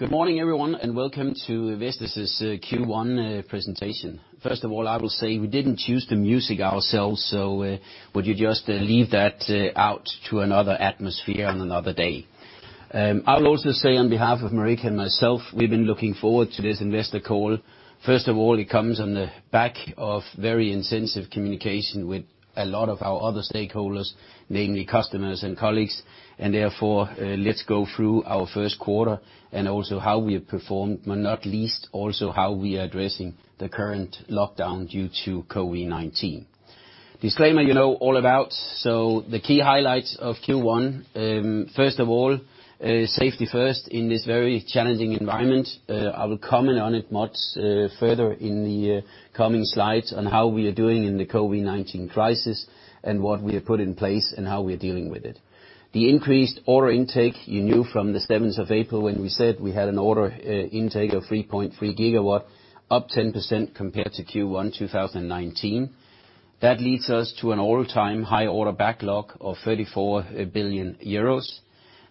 Good morning, everyone, and welcome to Vestas' Q1 presentation. First of all, I will say we didn't choose the music ourselves, so would you just leave that out to another atmosphere on another day. I'll also say on behalf of Marika and myself, we've been looking forward to this investor call. First of all, it comes on the back of very intensive communication with a lot of our other stakeholders, namely customers and colleagues, and therefore, let's go through our first quarter, and also how we have performed, but not least, also how we are addressing the current lockdown due to COVID-19. Disclaimer you know all about. The key highlights of Q1. First of all, safety first in this very challenging environment. I will comment on it much further in the coming slides on how we are doing in the COVID-19 crisis, and what we have put in place, and how we are dealing with it. The increased order intake, you knew from the 7th of April when we said we had an order intake of 3.3 GW, up 10% compared to Q1 2019. That leads us to an all-time high order backlog of 34 billion euros.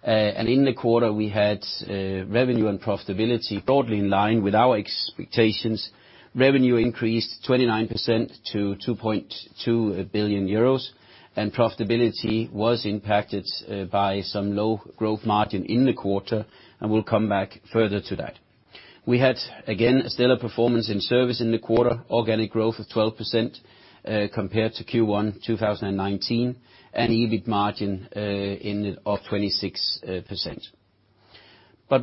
In the quarter, we had revenue and profitability broadly in line with our expectations. Revenue increased 29% to 2.2 billion euros. Profitability was impacted by some low gross margin in the quarter, and we'll come back further to that. We had, again, a stellar performance in service in the quarter. Organic growth of 12% compared to Q1 2019, EBIT margin of 26%.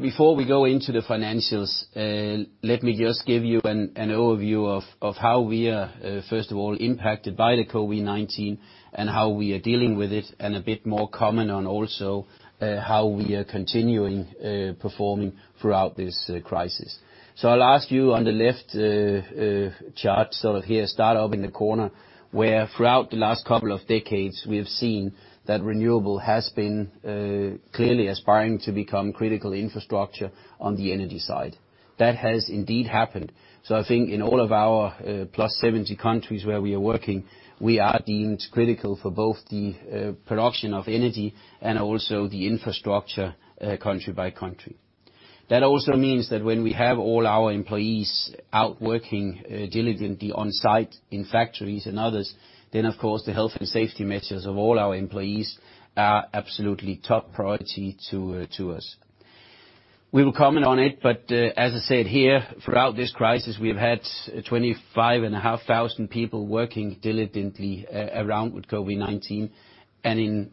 Before we go into the financials, let me just give you an overview of how we are, first of all, impacted by the COVID-19, and how we are dealing with it, and a bit more comment on also how we are continuing performing throughout this crisis. I'll ask you on the left chart, so here start up in the corner, where throughout the last couple of decades, we have seen that renewable has been clearly aspiring to become critical infrastructure on the energy side. That has indeed happened, so I think in all of our plus 70 countries where we are working, we are deemed critical for both the production of energy and also the infrastructure, country by country. That also means that when we have all our employees out working diligently on site, in factories and others, then of course the health and safety measures of all our employees are absolutely top priority to us. We will comment on it, but as I said here, throughout this crisis, we've had 25,500 people working diligently around with COVID-19.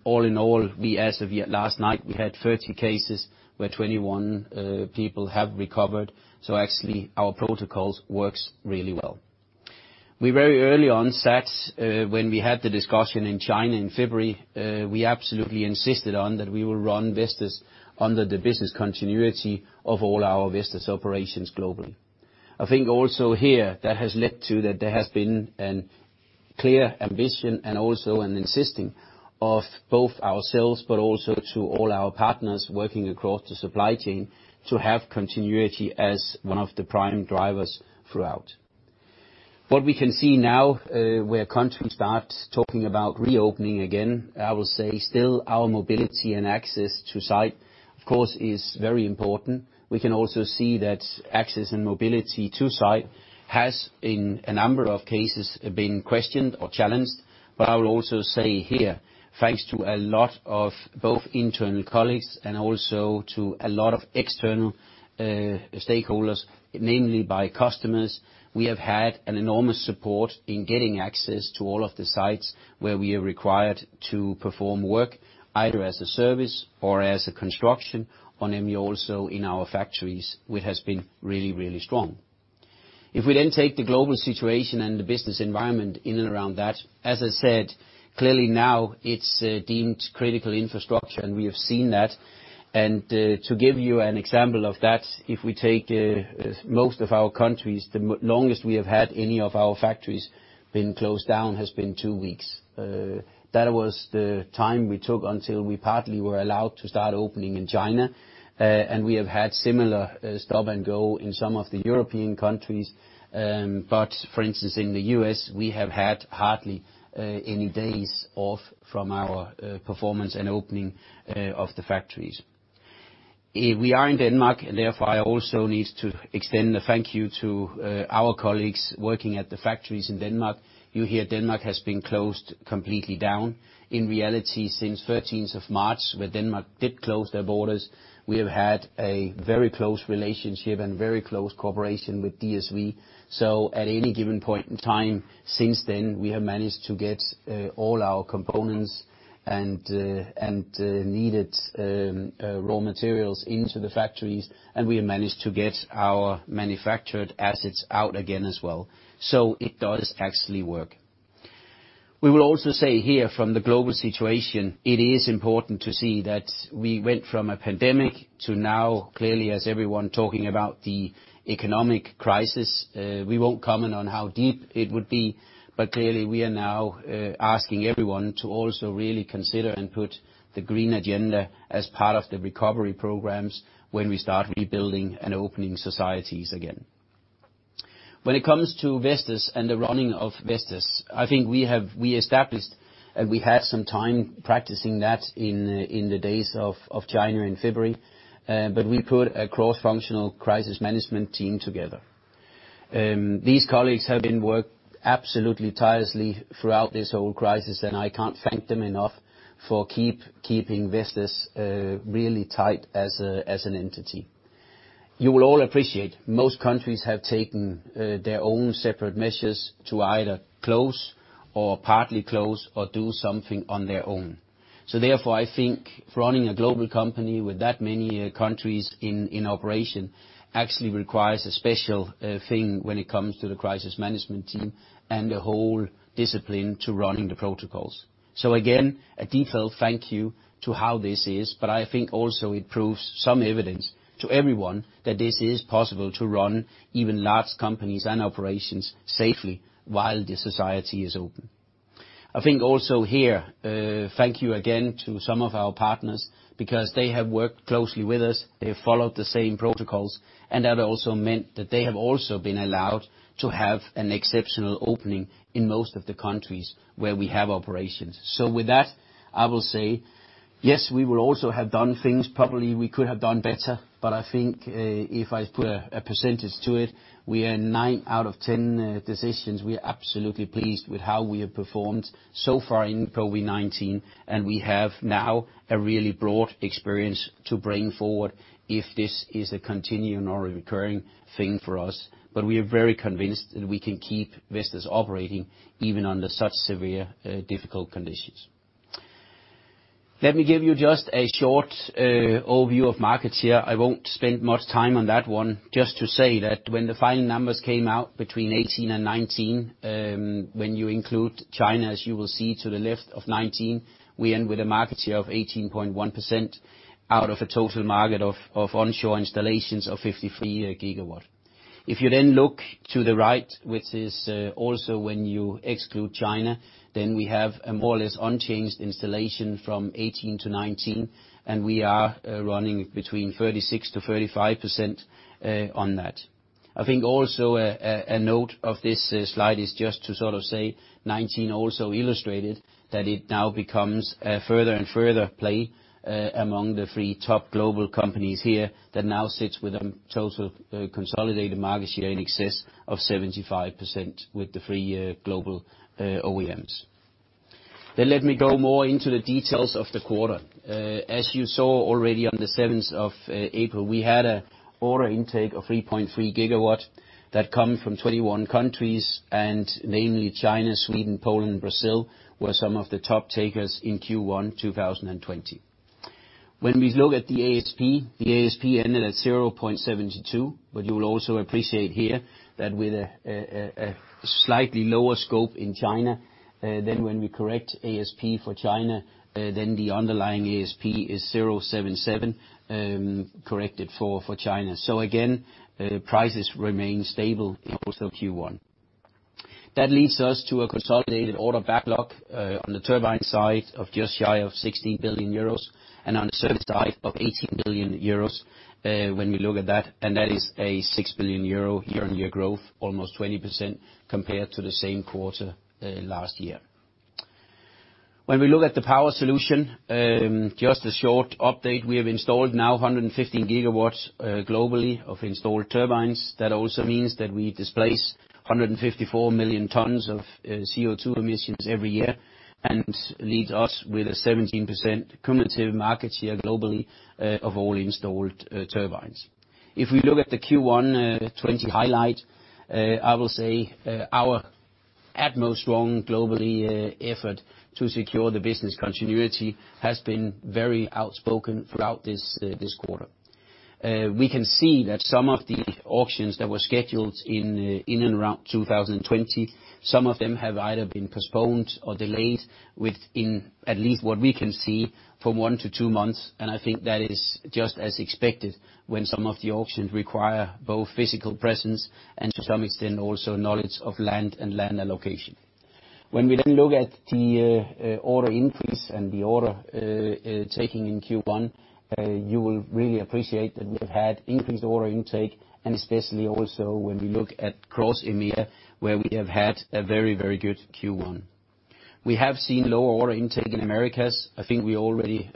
All in all, we as of yet last night, we had 30 cases, where 21 people have recovered. Actually, our protocols works really well. We very early on sat, when we had the discussion in China in February, we absolutely insisted on that we will run Vestas under the business continuity of all our Vestas operations globally. I think also here that has led to that there has been a clear ambition and also an insisting of both ourselves, but also to all our partners working across the supply chain to have continuity as one of the prime drivers throughout. What we can see now, where countries start talking about reopening again, I will say still our mobility and access to site, of course, is very important. We can also see that access and mobility to site has, in a number of cases, been questioned or challenged. I will also say here, thanks to a lot of both internal colleagues and also to a lot of external stakeholders, namely by customers, we have had an enormous support in getting access to all of the sites where we are required to perform work, either as a service or as a construction, and then also in our factories, it has been really, really strong. If we then take the global situation and the business environment in and around that, as I said, clearly now it's deemed critical infrastructure, and we have seen that. To give you an example of that, if we take most of our countries, the longest we have had any of our factories been closed down has been two weeks. That was the time we took until we partly were allowed to start opening in China. We have had similar stop and go in some of the European countries. For instance, in the U.S., we have had hardly any days off from our performance and opening of the factories. We are in Denmark, therefore I also need to extend a thank you to our colleagues working at the factories in Denmark. You hear Denmark has been closed completely down. In reality, since 13th of March, where Denmark did close their borders, we have had a very close relationship and very close cooperation with DSV. At any given point in time since then, we have managed to get all our components and needed raw materials into the factories, and we have managed to get our manufactured assets out again as well. It does actually work. We will also say here from the global situation, it is important to see that we went from a pandemic to now clearly as everyone talking about the economic crisis. We won't comment on how deep it would be, but clearly we are now asking everyone to also really consider and put the green agenda as part of the recovery programs when we start rebuilding and opening societies again. When it comes to Vestas and the running of Vestas, I think we established, and we had some time practicing that in the days of China in February, but we put a cross-functional crisis management team together. These colleagues have been working absolutely tirelessly throughout this whole crisis, and I can't thank them enough for keeping Vestas really tight as an entity. You will all appreciate, most countries have taken their own separate measures to either close or partly close or do something on their own. Therefore, I think for running a global company with that many countries in operation actually requires a special thing when it comes to the crisis management team and the whole discipline to running the protocols. Again, a default thank you to how this is, but I think also it proves some evidence to everyone that this is possible to run even large companies and operations safely while the society is open. I think also here, thank you again to some of our partners, because they have worked closely with us, they followed the same protocols, and that also meant that they have also been allowed to have an exceptional opening in most of the countries where we have operations. With that, I will say, yes we will also have done things probably we could have done better, but I think if I put a percentage to it, we are nine out of 10 decisions, we are absolutely pleased with how we have performed so far in COVID-19, and we have now a really broad experience to bring forward if this is a continuing or a recurring thing for us. We are very convinced that we can keep Vestas operating even under such severe, difficult conditions. Let me give you just a short overview of markets here. I won't spend much time on that one, just to say that when the final numbers came out between 2018 and 2019, when you include China, as you will see to the left of 2019, we end with a market share of 18.1% out of a total market of onshore installations of 53 gigawatt. If you then look to the right, which is also when you exclude China, then we have a more or less unchanged installation from 2018 to 2019, and we are running between 36%-35% on that. I think also a note of this slide is just to sort of say 2019 also illustrated that it now becomes a further and further play among the three top global companies here that now sits with a total consolidated market share in excess of 75% with the three global OEMs. Let me go more into the details of the quarter. As you saw already on the 7th of April, we had an order intake of 3.3 GW that come from 21 countries, mainly China, Sweden, Poland, and Brazil were some of the top takers in Q1 2020. When we look at the ASP, the ASP ended at 0.72, you will also appreciate here that with a slightly lower scope in China, when we correct ASP for China, the underlying ASP is 0.77, corrected for China. Again, prices remain stable in also Q1. That leads us to a consolidated order backlog on the turbine side of just shy of 16 billion euros and on the service side of 18 billion euros, when we look at that is a 6 billion euro year-on-year growth, almost 20% compared to the same quarter last year. When we look at the Power Solutions, just a short update, we have installed now 115 GW globally of installed turbines. That also means that we displace 154 million tons of CO2 emissions every year and leads us with a 17% cumulative market share globally of all installed turbines. If we look at the Q1 2020 highlight, I will say our utmost strong globally effort to secure the business continuity has been very outspoken throughout this quarter. We can see that some of the auctions that were scheduled in and around 2020, some of them have either been postponed or delayed within at least what we can see from one to two months. I think that is just as expected when some of the auctions require both physical presence and to some extent also knowledge of land and land allocation. When we look at the order increase and the order taking in Q1, you will really appreciate that we have had increased order intake, and especially also when we look at across EMEA, where we have had a very good Q1. We have seen lower order intake in Americas. I think we already,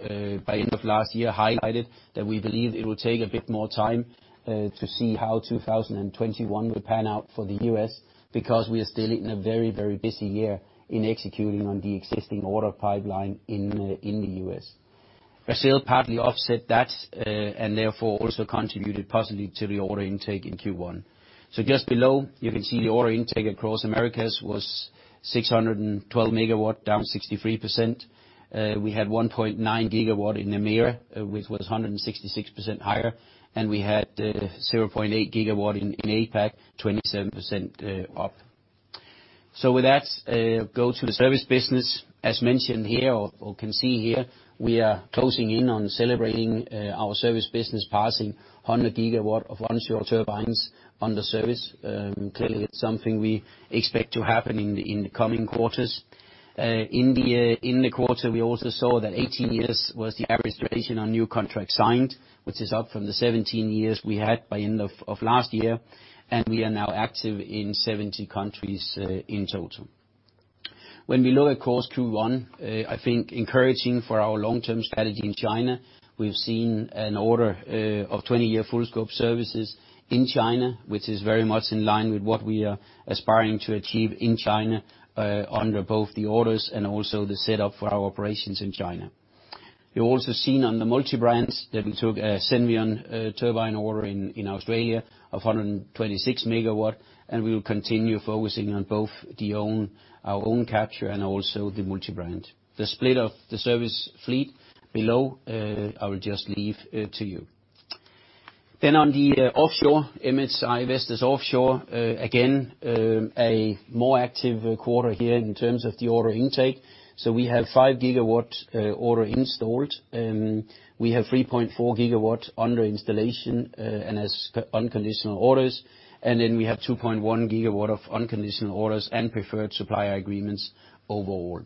by end of last year, highlighted that we believe it will take a bit more time to see how 2021 will pan out for the U.S., because we are still in a very busy year in executing on the existing order pipeline in the U.S. Brazil partly offset that, and therefore also contributed positively to the order intake in Q1. Just below, you can see the order intake across Americas was 612 MW, down 63%. We had 1.9 GW in EMEA, which was 166% higher, and we had 0.8 GW in APAC, 27% up. With that, go to the service business. As mentioned here or can see here, we are closing in on celebrating our service business passing 100 GW of onshore turbines under service. Clearly, it is something we expect to happen in the coming quarters. In the quarter, we also saw that 18 years was the average duration on new contracts signed, which is up from the 17 years we had by end of last year, and we are now active in 70 countries in total. When we look at course Q1, I think encouraging for our long-term strategy in China, we have seen an order of 20-year full scope services in China, which is very much in line with what we are aspiring to achieve in China under both the orders and also the setup for our operations in China. You also seen on the multi-brands that we took a Senvion turbine order in Australia of 126 MW, and we will continue focusing on both our own capture and also the multi-brand. The split of the service fleet below, I will just leave to you. On the offshore, MHI Vestas Offshore, again, a more active quarter here in terms of the order intake. We have 5 GW order installed, we have 3.4 GW under installation, and as unconditional orders. We have 2.1 GW of unconditional orders and preferred supplier agreements overall.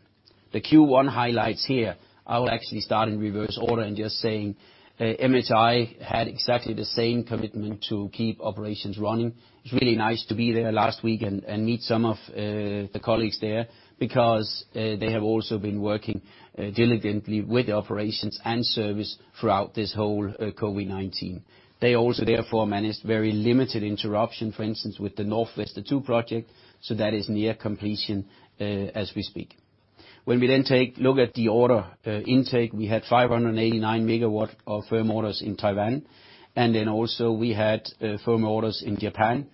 The Q1 highlights here, I will actually start in reverse order in just saying, MHI had exactly the same commitment to keep operations running. It's really nice to be there last week and meet some of the colleagues there, because they have also been working diligently with the operations and service throughout this whole COVID-19. They also therefore managed very limited interruption, for instance, with the Northwester 2 project, that is near completion, as we speak. When we then look at the order intake, we had 589 MW of firm orders in Taiwan, also we had firm orders in Japan,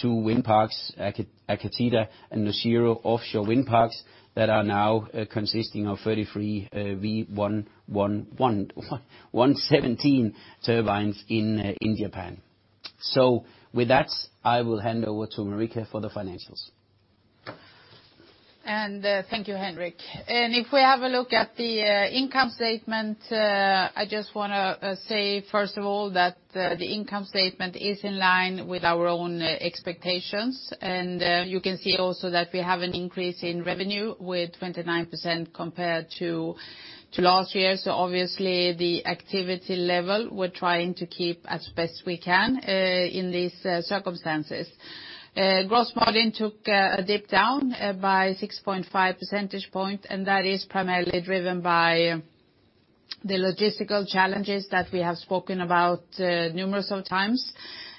two wind parks at Akita and Noshiro offshore wind parks that are now consisting of 33 V117 turbines in Japan. With that, I will hand over to Marika for the financials. Thank you, Henrik. If we have a look at the income statement, I just want to say, first of all, that the income statement is in line with our own expectations. You can see also that we have an increase in revenue with 29% compared to last year. Obviously the activity level we're trying to keep as best we can in these circumstances. Gross margin took a dip down by 6.5 percentage point, and that is primarily driven by the logistical challenges that we have spoken about numerous of times,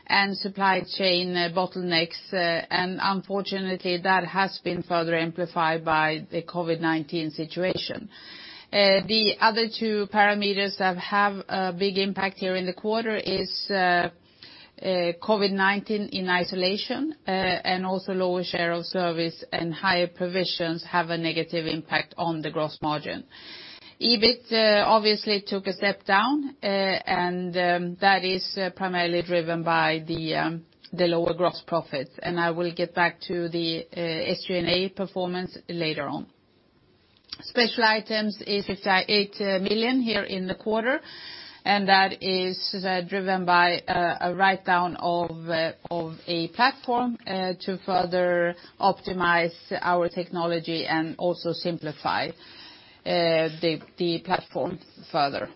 and supply chain bottlenecks, and unfortunately that has been further amplified by the COVID-19 situation. The other two parameters that have a big impact here in the quarter is COVID-19 in isolation, and also lower share of service and higher provisions have a negative impact on the gross margin. EBIT obviously took a step down. That is primarily driven by the lower gross profits. I will get back to the SG&A performance later on. Special items is 68 million here in the quarter. That is driven by a write-down of a platform to further optimize our technology and also simplify the platform further.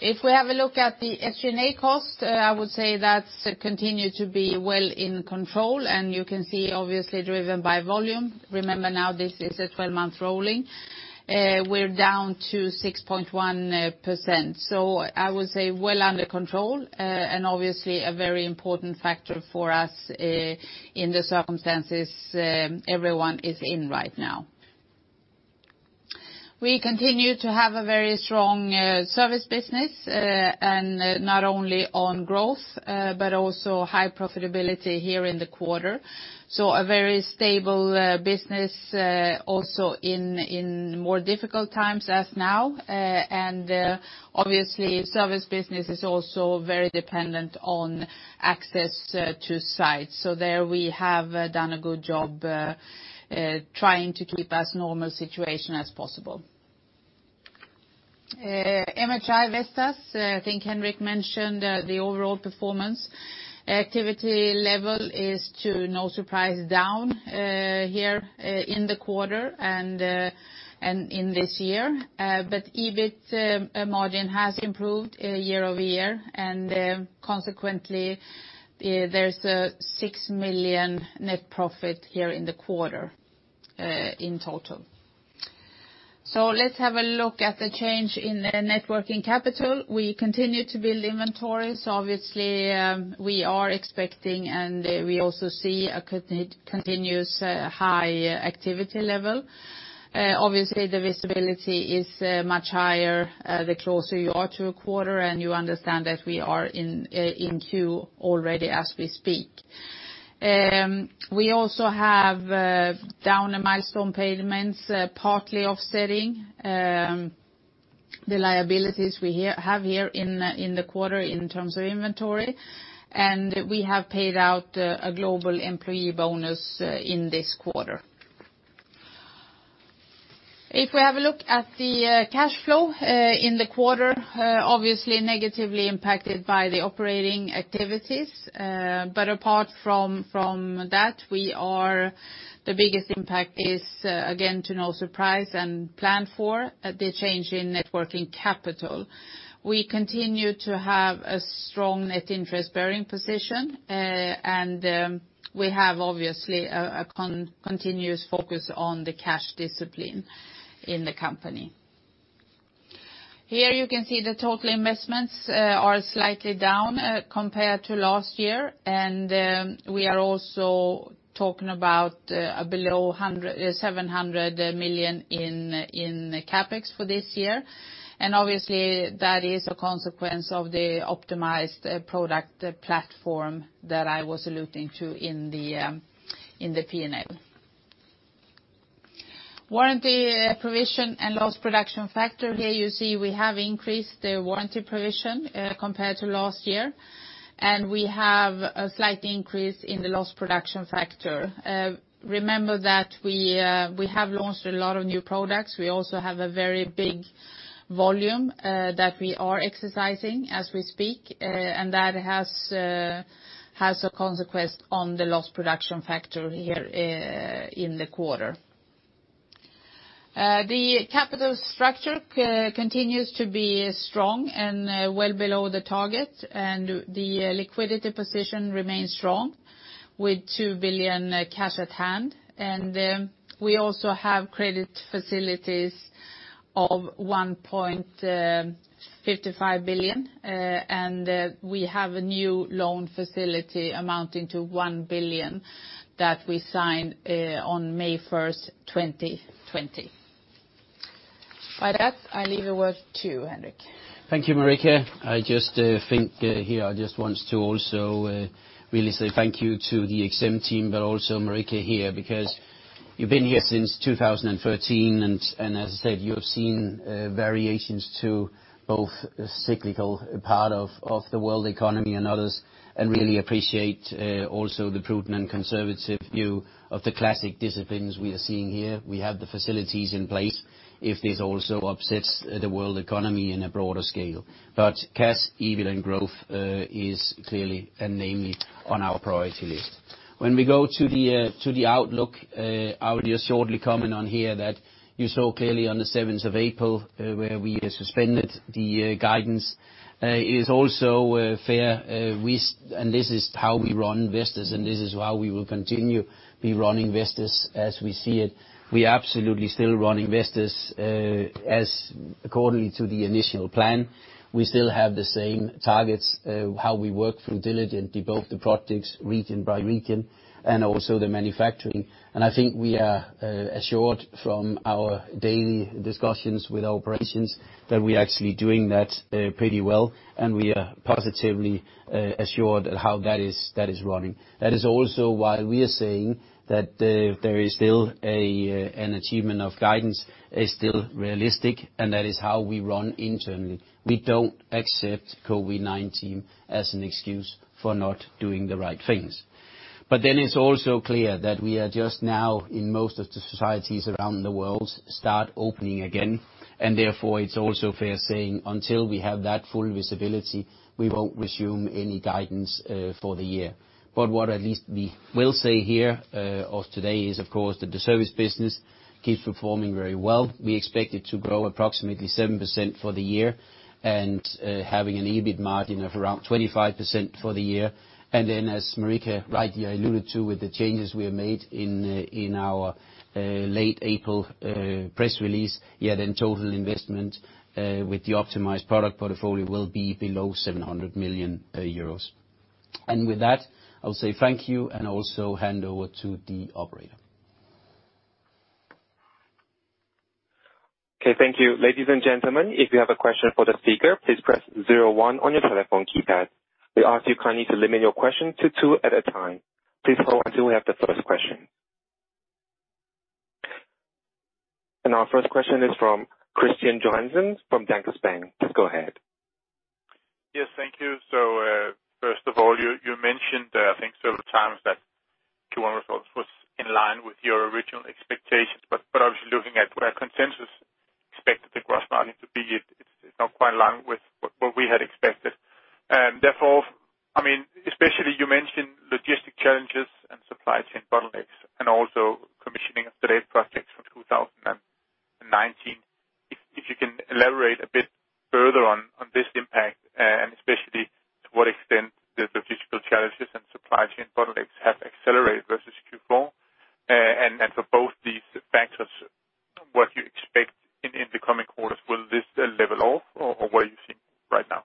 If we have a look at the SG&A cost, I would say that's continued to be well in control. You can see obviously driven by volume. Remember now this is a 12-month rolling. We're down to 6.1%. I would say well under control. Obviously a very important factor for us in the circumstances everyone is in right now. We continue to have a very strong service business, not only on growth, but also high profitability here in the quarter. A very stable business also in more difficult times as now, and obviously Service business is also very dependent on access to sites. There we have done a good job trying to keep as normal situation as possible. MHI Vestas, I think Henrik mentioned the overall performance. Activity level is to no surprise down here in the quarter and in this year. EBIT margin has improved year-over-year, and consequently, there's a 6 million net profit here in the quarter in total. Let's have a look at the change in the net working capital. We continue to build inventories. Obviously, we are expecting and we also see a continuous high activity level. Obviously, the visibility is much higher the closer you are to a quarter, and you understand that we are in Q already as we speak. We also have down the milestone payments, partly offsetting the liabilities we have here in the quarter in terms of inventory, and we have paid out a global employee bonus in this quarter. If we have a look at the cash flow in the quarter, obviously negatively impacted by the operating activities. Apart from that, the biggest impact is, again, to no surprise and planned for, the change in net working capital. We continue to have a strong net interest-bearing position, and we have obviously a continuous focus on the cash discipline in the company. Here you can see the total investments are slightly down compared to last year. We are also talking about below 700 million in CapEx for this year. Obviously, that is a consequence of the optimized product platform that I was alluding to in the P&L. Warranty provision and loss production factor. Here you see we have increased the warranty provision compared to last year, we have a slight increase in the loss production factor. Remember that we have launched a lot of new products. We also have a very big volume that we are exercising as we speak, that has a consequence on the loss production factor here in the quarter. The capital structure continues to be strong and well below the target, the liquidity position remains strong with 2 billion cash at hand. We also have credit facilities of 1.55 billion, we have a new loan facility amounting to 1 billion that we signed on May 1st, 2020. By that, I leave a word to Henrik. Thank you, Marika. I just think here, I just want to also really say thank you to the XM team, but also Marika here, because you've been here since 2013, and as I said, you have seen variations to both cyclical part of the world economy and others, and really appreciate also the prudent and conservative view of the classic disciplines we are seeing here. Cash, EBIT, and growth is clearly and namely on our priority list. When we go to the outlook, I will just shortly comment on here that you saw clearly on the 7th of April where we suspended the guidance. It is also fair, and this is how we run Vestas, and this is how we will continue be running Vestas as we see it. We absolutely still run Vestas as accordingly to the initial plan. We still have the same targets, how we work through diligent, develop the projects region by region, and also the manufacturing. I think we are assured from our daily discussions with operations that we are actually doing that pretty well, and we are positively assured at how that is running. That is also why we are saying that there is still an achievement of guidance is still realistic, and that is how we run internally. We don't accept COVID-19 as an excuse for not doing the right things. It's also clear that we are just now in most of the societies around the world start opening again, and therefore it's also fair saying until we have that full visibility, we won't resume any guidance for the year. What at least we will say here of today is, of course, that the service business keeps performing very well. We expect it to grow approximately 7% for the year and having an EBIT margin of around 25% for the year. As Marika rightly alluded to with the changes we have made in our late April press release, total investment with the optimized product portfolio will be below 700 million euros. With that, I'll say thank you and also hand over to the operator. Okay, thank you. Ladies and gentlemen, if you have a question for the speaker, please press 01 on your telephone keypad. We ask you kindly to limit your question to two at a time. Please hold until we have the first question. Our first question is from Kristian Johansen from Danske Bank. Go ahead. Yes. Thank you. First of all, you mentioned, I think several times that Q1 results was in line with your original expectations. Obviously looking at where consensus expected the gross margin to be, it's not quite in line with what we had expected. Therefore, especially you mentioned logistic challenges and supply chain bottlenecks and also commissioning of delayed projects from 2019. If you can elaborate a bit further on this impact, and especially to what extent the logistical challenges and supply chain bottlenecks have accelerated versus Q4. For both these factors, what you expect in the coming quarters, will this level off or what are you seeing right now?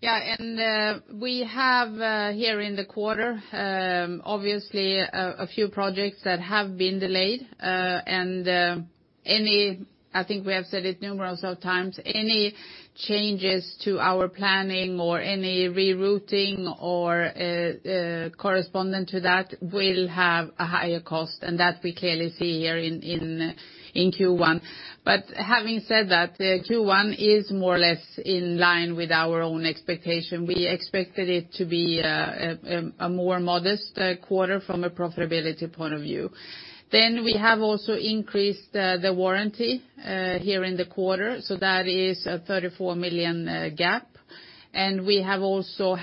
Yeah. We have here in the quarter obviously a few projects that have been delayed, and I think we have said it numerous of times. Any changes to our planning or any rerouting or corresponding to that will have a higher cost, and that we clearly see here in Q1. Having said that, Q1 is more or less in line with our own expectation. We expected it to be a more modest quarter from a profitability point of view. We have also increased the warranty here in the quarter. That is a 34 million gap. We have also,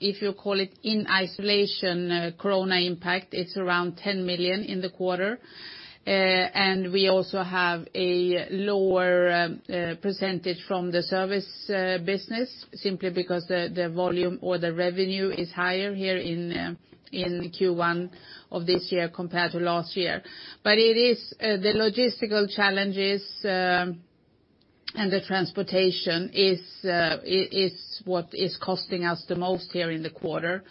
if you call it in isolation, corona impact. It's around 10 million in the quarter. We also have a lower percentage from the service business simply because the volume or the revenue is higher here in Q1 of this year compared to last year. It is the logistical challenges. The transportation is what is costing us the most here in the quarter.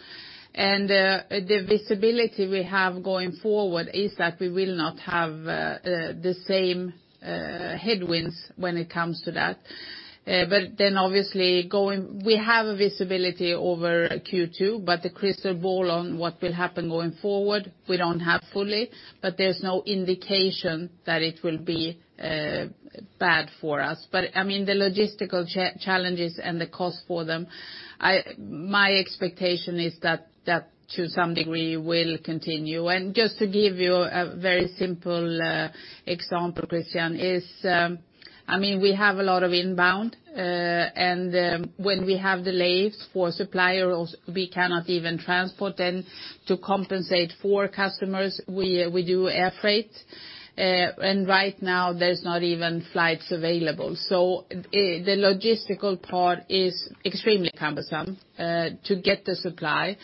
The visibility we have going forward is that we will not have the same headwinds when it comes to that. Obviously, we have a visibility over Q2, but the crystal ball on what will happen going forward, we don't have fully, but there's no indication that it will be bad for us. The logistical challenges and the cost for them, my expectation is that to some degree, will continue. Just to give you a very simple example, Kristian, is we have a lot of inbound, and when we have delays for supplier, or we cannot even transport, then to compensate for customers, we do air freight. Right now, there's not even flights available. The logistical part is extremely cumbersome to get the supply,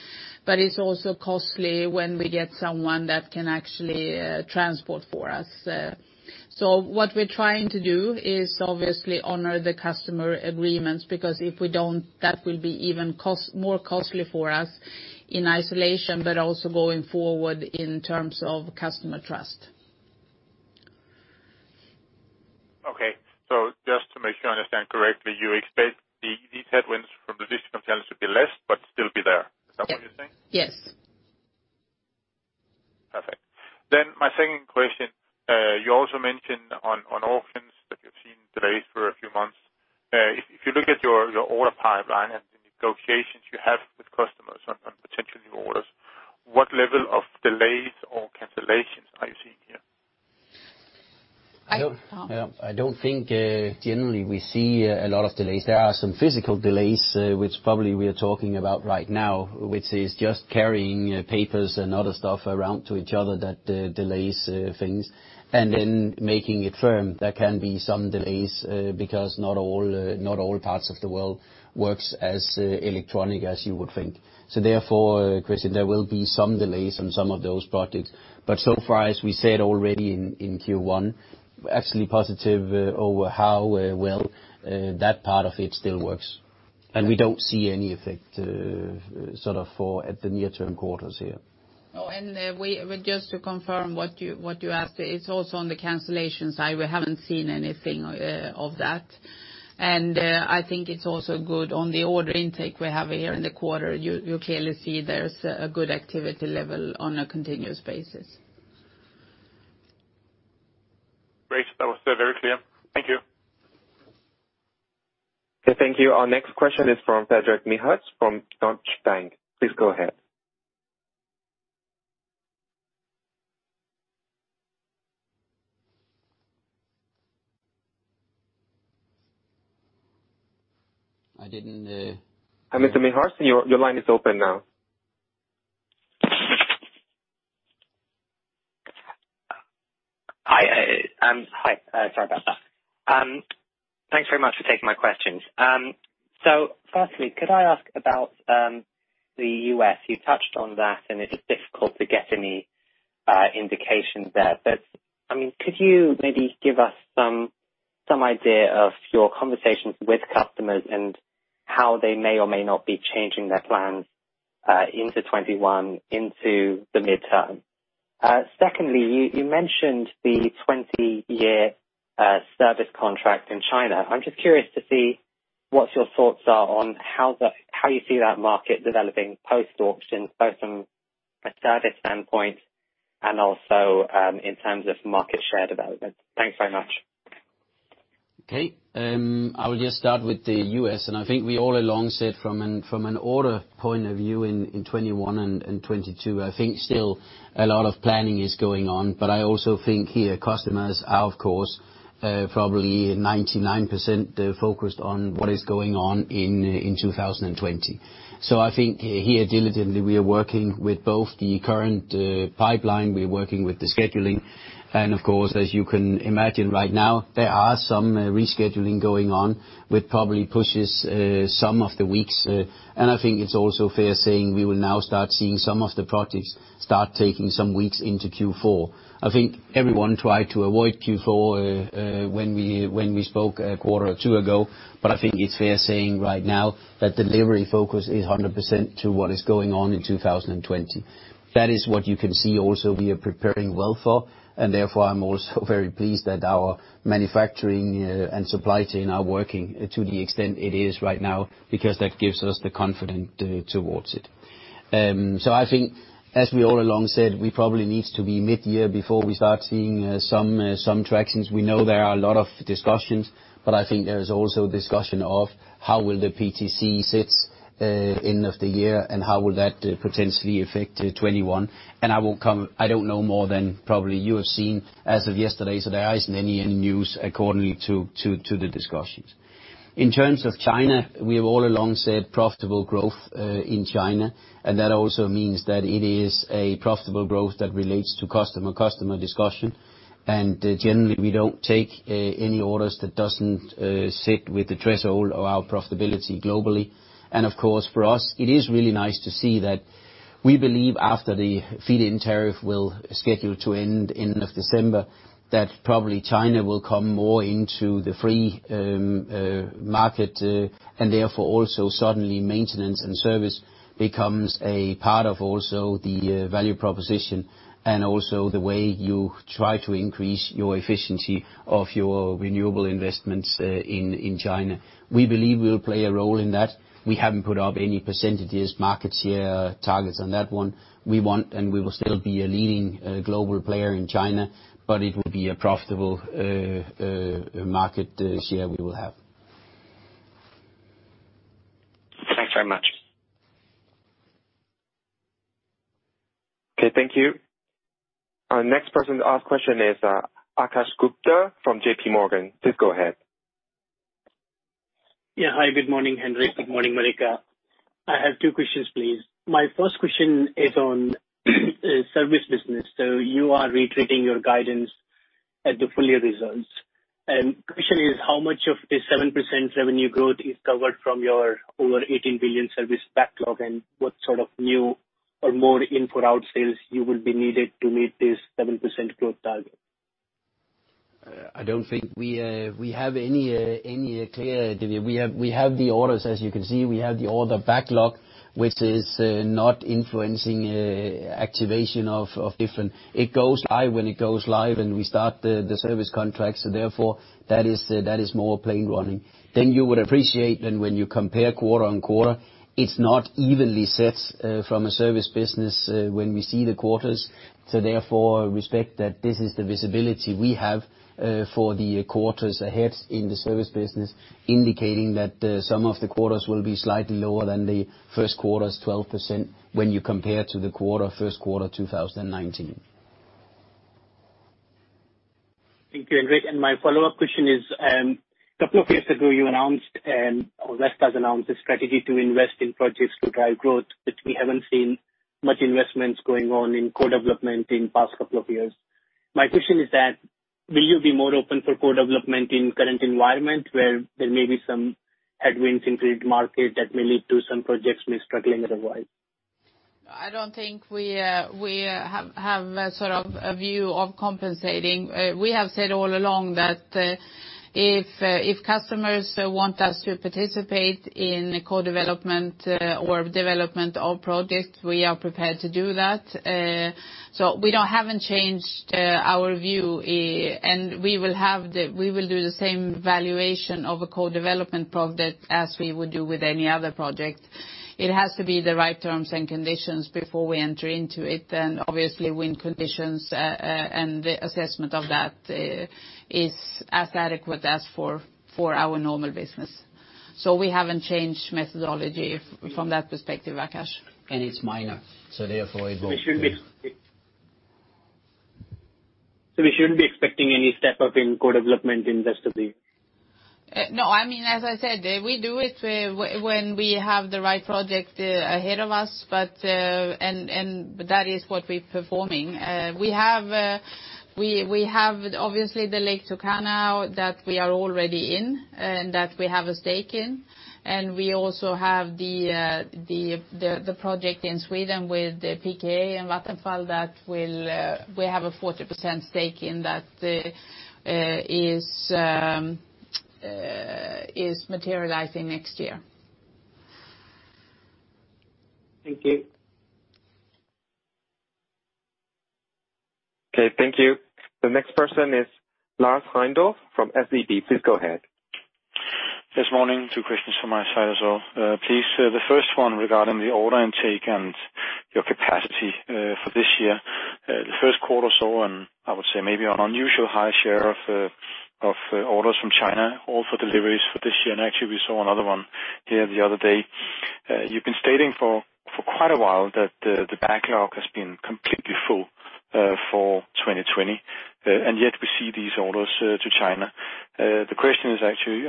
but it is also costly when we get someone that can actually transport for us. What we are trying to do is obviously honor the customer agreements, because if we do not, that will be even more costly for us in isolation, but also going forward in terms of customer trust. Okay. Just to make sure I understand correctly, you expect these headwinds from logistical challenges to be less, but still be there. Is that what you're saying? Yes. Perfect. My second question. You also mentioned on auctions that you've seen delays for a few months. If you look at your order pipeline and the negotiations you have with customers on potential new orders, what level of delays or cancellations are you seeing here? I- I don't think, generally we see a lot of delays. There are some physical delays, which probably we are talking about right now, which is just carrying papers and other stuff around to each other that delays things. Making it firm, there can be some delays, because not all parts of the world works as electronic as you would think. Christian, there will be some delays on some of those projects, but so far, as we said already in Q1, actually positive over how well that part of it still works. We don't see any effect sort of for at the near term quarters here. Just to confirm what you asked, it's also on the cancellation side. We haven't seen anything of that. I think it's also good on the order intake we have here in the quarter. You clearly see there's a good activity level on a continuous basis. Great. That was very clear. Thank you. Okay, thank you. Our next question is from Frederic Michaud from Deutsche Bank. Please go ahead. I didn't- Mr. Michaud, your line is open now. Hi. Sorry about that. Thanks very much for taking my questions. Firstly, could I ask about the U.S.? You touched on that, and it's difficult to get any indications there. Could you maybe give us some idea of your conversations with customers and how they may or may not be changing their plans into 2021, into the midterm? Secondly, you mentioned the 20-year service contract in China. I'm just curious to see what your thoughts are on how you see that market developing post-auction, both from a service standpoint and also, in terms of market share development. Thanks very much. Okay. I will just start with the U.S. I think we all along said from an order point of view, in 2021 and 2022, I think still a lot of planning is going on. I also think here, customers are, of course, probably 99% focused on what is going on in 2020. I think here diligently, we are working with both the current pipeline, we're working with the scheduling. Of course, as you can imagine right now, there are some rescheduling going on, which probably pushes some of the weeks. I think it's also fair saying we will now start seeing some of the projects start taking some weeks into Q4. I think everyone tried to avoid Q4, when we spoke a quarter or two ago. I think it's fair saying right now that delivery focus is 100% to what is going on in 2020. That is what you can see also we are preparing well for. Therefore, I'm also very pleased that our manufacturing and supply chain are working to the extent it is right now, because that gives us the confidence towards it. I think as we all along said, we probably needs to be mid-year before we start seeing some tractions. We know there are a lot of discussions. I think there is also discussion of how will the PTC sits end of the year, and how will that potentially affect 2021. I don't know more than probably you have seen as of yesterday. There isn't any news according to the discussions. In terms of China, we have all along said profitable growth, in China, and that also means that it is a profitable growth that relates to customer-customer discussion. Generally, we don't take any orders that doesn't sit with the threshold of our profitability globally. Of course, for us, it is really nice to see that we believe after the feed-in tariff will schedule to end of December, that probably China will come more into the free market, and therefore, also suddenly maintenance and service becomes a part of also the value proposition, and also the way you try to increase your efficiency of your renewable investments in China. We believe we'll play a role in that. We haven't put up any percentages, market share targets on that one. We want, and we will still be a leading global player in China, but it will be a profitable market share we will have. Okay, thank you. Our next person to ask question is Akash Gupta from JPMorgan. Please go ahead. Hi, good morning, Henrik. Good morning, Marika. I have two questions, please. My first question is on service business. You are retreating your guidance at the full year results. The question is, how much of the 7% revenue growth is covered from your over 18 billion service backlog, and what sort of new or more in-flow sales you will be needed to meet this 7% growth target? We have the orders as you can see. We have the order backlog, which is not influencing activation. It goes live when it goes live, and we start the service contract. Therefore, that is more plain running. You would appreciate then when you compare quarter-on-quarter, it's not evenly set from a service business, when we see the quarters. Therefore, respect that this is the visibility we have for the quarters ahead in the service business, indicating that some of the quarters will be slightly lower than the first quarter's 12% when you compare to the first quarter 2019. Thank you, Henrik. My follow-up question is, a couple of years ago you announced, or Vestas announced a strategy to invest in projects to drive growth, which we haven't seen much investments going on in co-development in past couple of years. My question is that, will you be more open for co-development in current environment where there may be some headwinds in grid market that may lead to some projects may struggling otherwise? I don't think we have a view of compensating. We have said all along that if customers want us to participate in co-development or development of projects, we are prepared to do that. We haven't changed our view, and we will do the same valuation of a co-development project as we would do with any other project. It has to be the right terms and conditions before we enter into it. Obviously when conditions, and the assessment of that is as adequate as for our normal business. We haven't changed methodology from that perspective, Akash. It's minor. We shouldn't be expecting any step up in co-development in rest of the year? No. As I said, we do it when we have the right project ahead of us, but that is what we're performing. We have obviously the Lake Turkana that we are already in, and that we have a stake in. We also have the project in Sweden with the PKA and Vattenfall that we have a 40% stake in that is materializing next year. Thank you. Okay, thank you. The next person is Lars Heindorff from SEB. Please go ahead. Yes, morning. Two questions from my side as well, please. The first one regarding the order intake and your capacity for this year. The first quarter saw maybe an unusual high share of orders from China, all for deliveries for this year, and actually we saw another one here the other day. You've been stating for quite a while that the backlog has been completely full for 2020, yet we see these orders to China. The question is actually,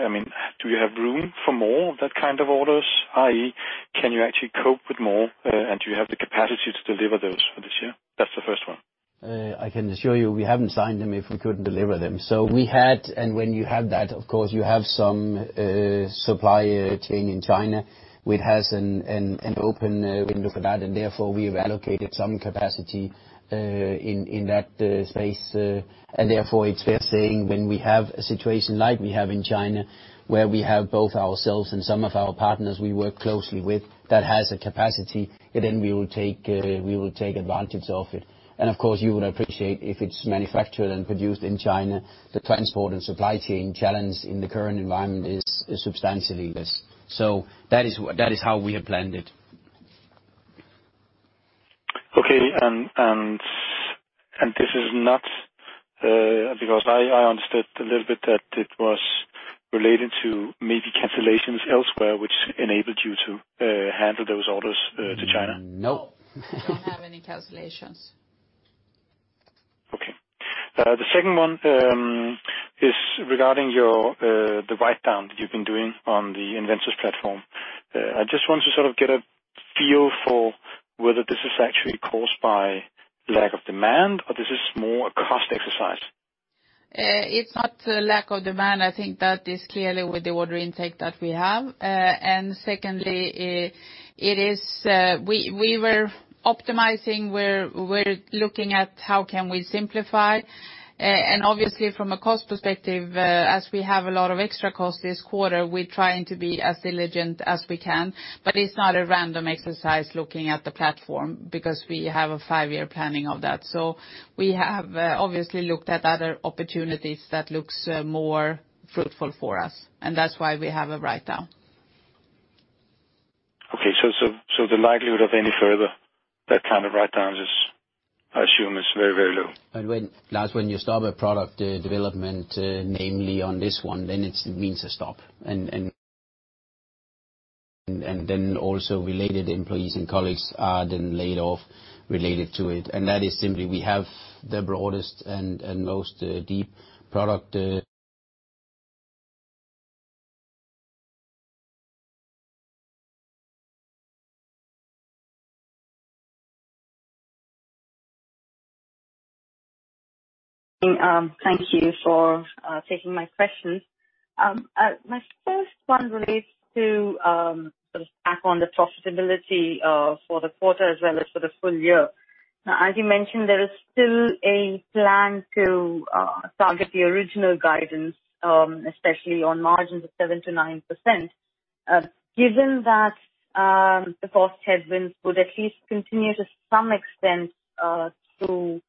do you have room for more of that kind of orders? i.e. can you actually cope with more, do you have the capacity to deliver those for this year? That's the first one. I can assure you, we haven't signed them if we couldn't deliver them. We had, when you have that, of course, you have some supply chain in China, which has an open window for that, therefore we've allocated some capacity in that space. Therefore, it's fair saying when we have a situation like we have in China, where we have both ourselves and some of our partners we work closely with that has a capacity, then we will take advantage of it. Of course you would appreciate if it's manufactured and produced in China, the transport and supply chain challenge in the current environment is substantially less. That is how we have planned it. Okay. This is not, because I understood a little bit that it was related to maybe cancellations elsewhere, which enabled you to handle those orders to China. No. No. We don't have any cancellations. The second one is regarding the write-down that you've been doing on the EnVentus platform. I just want to sort of get a feel for whether this is actually caused by lack of demand or this is more a cost exercise? It's not a lack of demand. I think that is clearly with the order intake that we have. Secondly, we were optimizing, we're looking at how can we simplify. Obviously from a cost perspective, as we have a lot of extra cost this quarter, we're trying to be as diligent as we can, but it's not a random exercise looking at the platform, because we have a five-year planning of that. We have obviously looked at other opportunities that looks more fruitful for us, and that's why we have a write-down. Okay. The likelihood of any further, that kind of write-downs I assume it's very, very low. When, Lars, when you stop a product development, namely on this one, then it means a stop. Then also related employees and colleagues are then laid off related to it. That is simply we have the broadest and most deep product. Good morning. Thank you for taking my questions. My first one relates to sort of back on the profitability for the quarter as well as for the full year. As you mentioned, there is still a plan to target the original guidance, especially on margins of 7%-9%. Given that the cost headwinds would at least continue to some extent to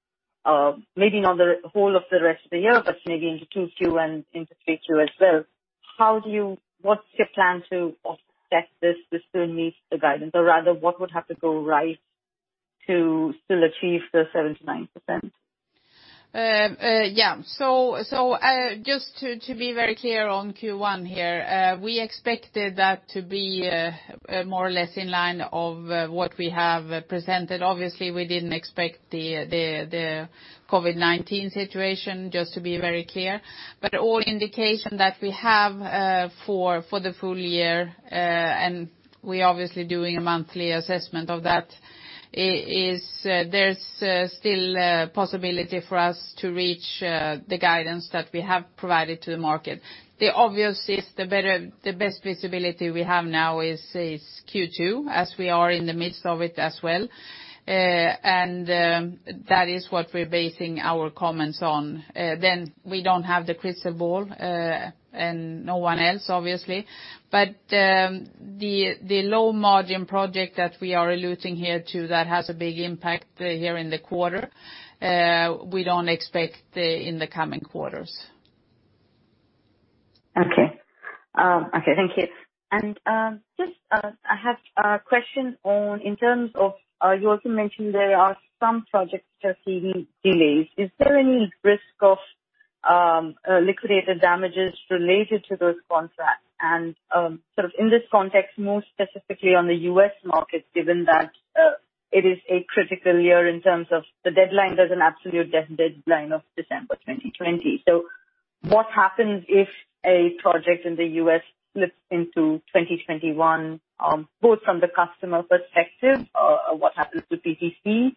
maybe not the whole of the rest of the year, but maybe into Q2 and into Q3 as well, what's your plan to offset this to still meet the guidance? Rather, what would have to go right to still achieve the 7%-9%? Yeah. Just to be very clear on Q1 here, we expected that to be more or less in line of what we have presented. Obviously, we didn't expect the COVID-19 situation, just to be very clear. All indication that we have for the full year, and we're obviously doing a monthly assessment of that, is there's still a possibility for us to reach the guidance that we have provided to the market. The obvious is the best visibility we have now is Q2, as we are in the midst of it as well, and that is what we're basing our comments on. We don't have the crystal ball, and no one else, obviously. The low margin project that we are alluding here to, that has a big impact here in the quarter, we don't expect in the coming quarters. Okay. Thank you. Just, I have a question on, in terms of, you also mentioned there are some projects which are seeing delays. Is there any risk of Liquidated Damages related to those contracts? Sort of in this context, more specifically on the U.S. market, given that it is a critical year in terms of the deadline. There's an absolute deadline of December 2020. What happens if a project in the U.S. slips into 2021, both from the customer perspective, what happens to PTC?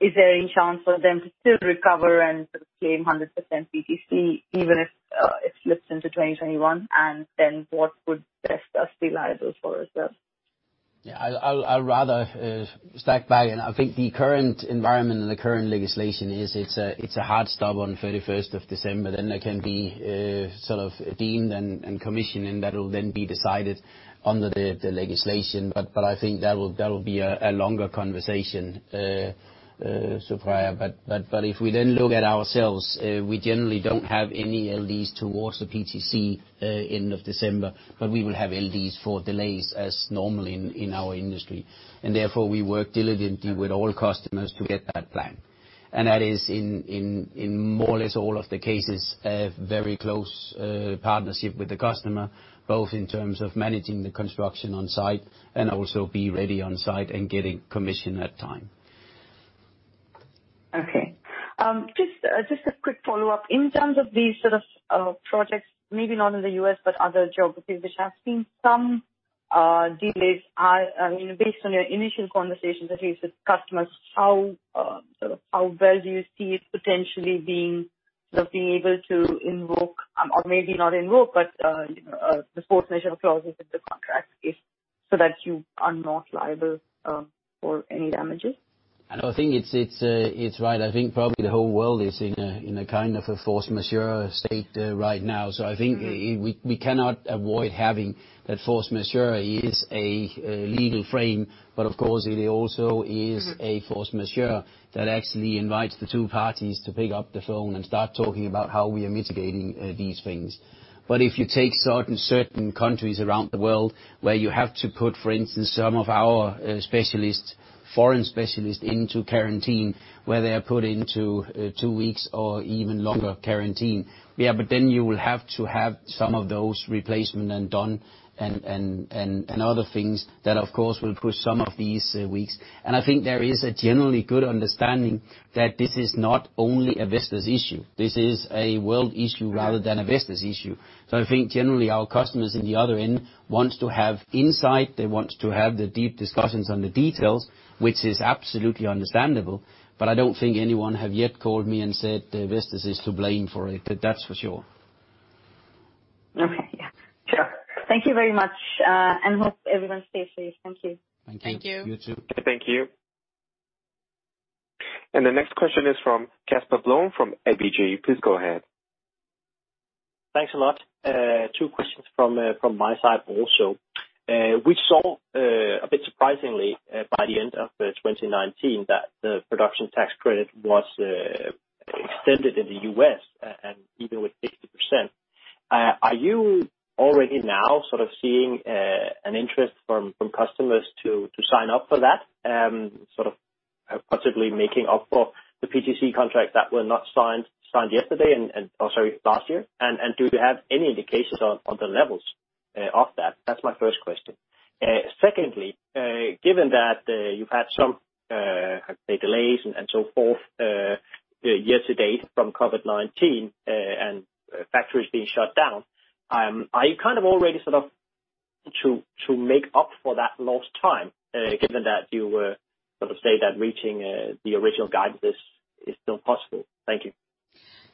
Is there any chance for them to still recover and sort of claim 100% PTC, even if it slips into 2021? What would Vestas be liable for as well? Yeah, I'll rather stack back. I think the current environment and the current legislation is it's a hard stop on 31st of December. There can be sort of deemed and commissioning that will then be decided under the legislation. I think that will be a longer conversation, Supriya. If we then look at ourselves, we generally don't have any LDs towards the PTC end of December, but we will have LDs for delays as normal in our industry. Therefore, we work diligently with all customers to get that plan. That is in more or less all of the cases, a very close partnership with the customer, both in terms of managing the construction on site and also be ready on site and getting commission at time. Okay. Just a quick follow-up. In terms of these sort of projects, maybe not in the U.S., but other geographies, which have seen some delays are, based on your initial conversations at least with customers, how well do you see it potentially being able to invoke or maybe not invoke, but the force majeure clauses in the contracts if so that you are not liable for any damages? I think it's right. I think probably the whole world is in a kind of a force majeure state right now. I think we cannot avoid having that force majeure is a legal frame. Of course, it also is a force majeure that actually invites the two parties to pick up the phone and start talking about how we are mitigating these things. If you take certain countries around the world where you have to put, for instance, some of our foreign specialists into quarantine, where they are put into two weeks or even longer quarantine. You will have to have some of those replacement and done, and other things that of course, will push some of these weeks. I think there is a generally good understanding that this is not only a Vestas issue. This is a world issue rather than a Vestas issue. I think generally our customers in the other end wants to have insight, they want to have the deep discussions on the details, which is absolutely understandable, but I don't think anyone have yet called me and said Vestas is to blame for it. That's for sure. Okay. Yeah. Sure. Thank you very much, and hope everyone stays safe. Thank you. Thank you. You too. Thank you. The next question is from Casper Blom from ABG. Please go ahead. Thanks a lot. Two questions from my side also. We saw, a bit surprisingly, by the end of 2019, that the production tax credit was extended in the U.S., and even with 50%? Are you already now seeing an interest from customers to sign up for that? Possibly making up for the PTC contract that were not signed yesterday and, oh, sorry, last year? Do you have any indications on the levels of that? That's my first question. Secondly, given that you've had some, how to say, delays and so forth year to date from COVID-19, and factories being shut down, are you already sort of to make up for that lost time, given that you were sort of say that reaching the original guidance is still possible? Thank you.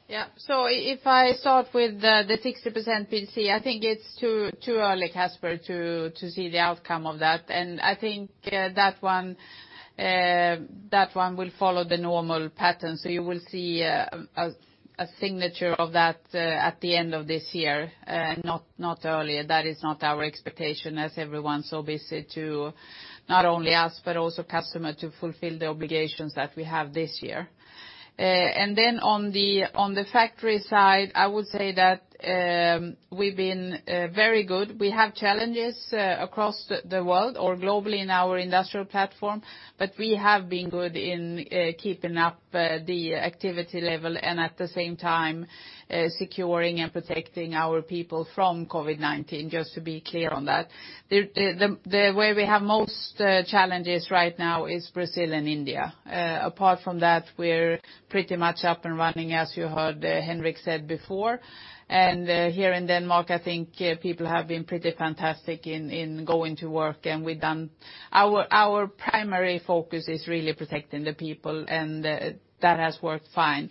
Yeah. If I start with the 60% PTC, I think it's too early, Casper, to see the outcome of that. I think that one will follow the normal pattern. You will see a signature of that at the end of this year, not earlier. That is not our expectation as everyone's so busy to, not only us, but also customer to fulfill the obligations that we have this year. On the factory side, I would say that we've been very good. We have challenges across the world or globally in our industrial platform, but we have been good in keeping up the activity level and at the same time, securing and protecting our people from COVID-19, just to be clear on that. The way we have most challenges right now is Brazil and India. Apart from that, we're pretty much up and running, as you heard Henrik said before. Here in Denmark, I think people have been pretty fantastic in going to work, and Our primary focus is really protecting the people, and that has worked fine.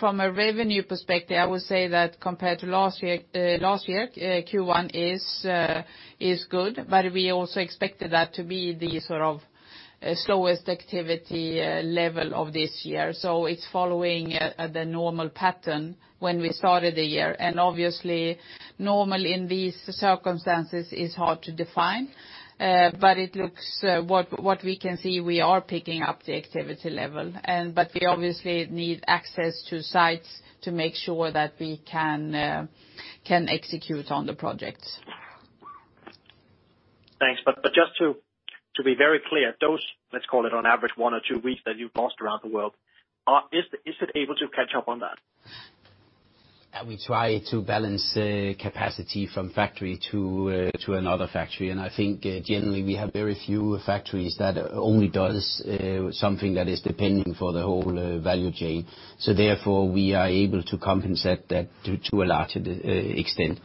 From a revenue perspective, I would say that compared to last year, Q1 is good, but we also expected that to be the sort of slowest activity level of this year. It's following the normal pattern when we started the year. Obviously, normal in these circumstances is hard to define. It looks what we can see, we are picking up the activity level. We obviously need access to sites to make sure that we can execute on the projects. Thanks. Just to be very clear, those, let's call it on average, one or two weeks that you've lost around the world, is it able to catch up on that? We try to balance capacity from factory to another factory. I think generally we have very few factories that only does something that is depending for the whole value chain. Therefore, we are able to compensate that to a larger extent.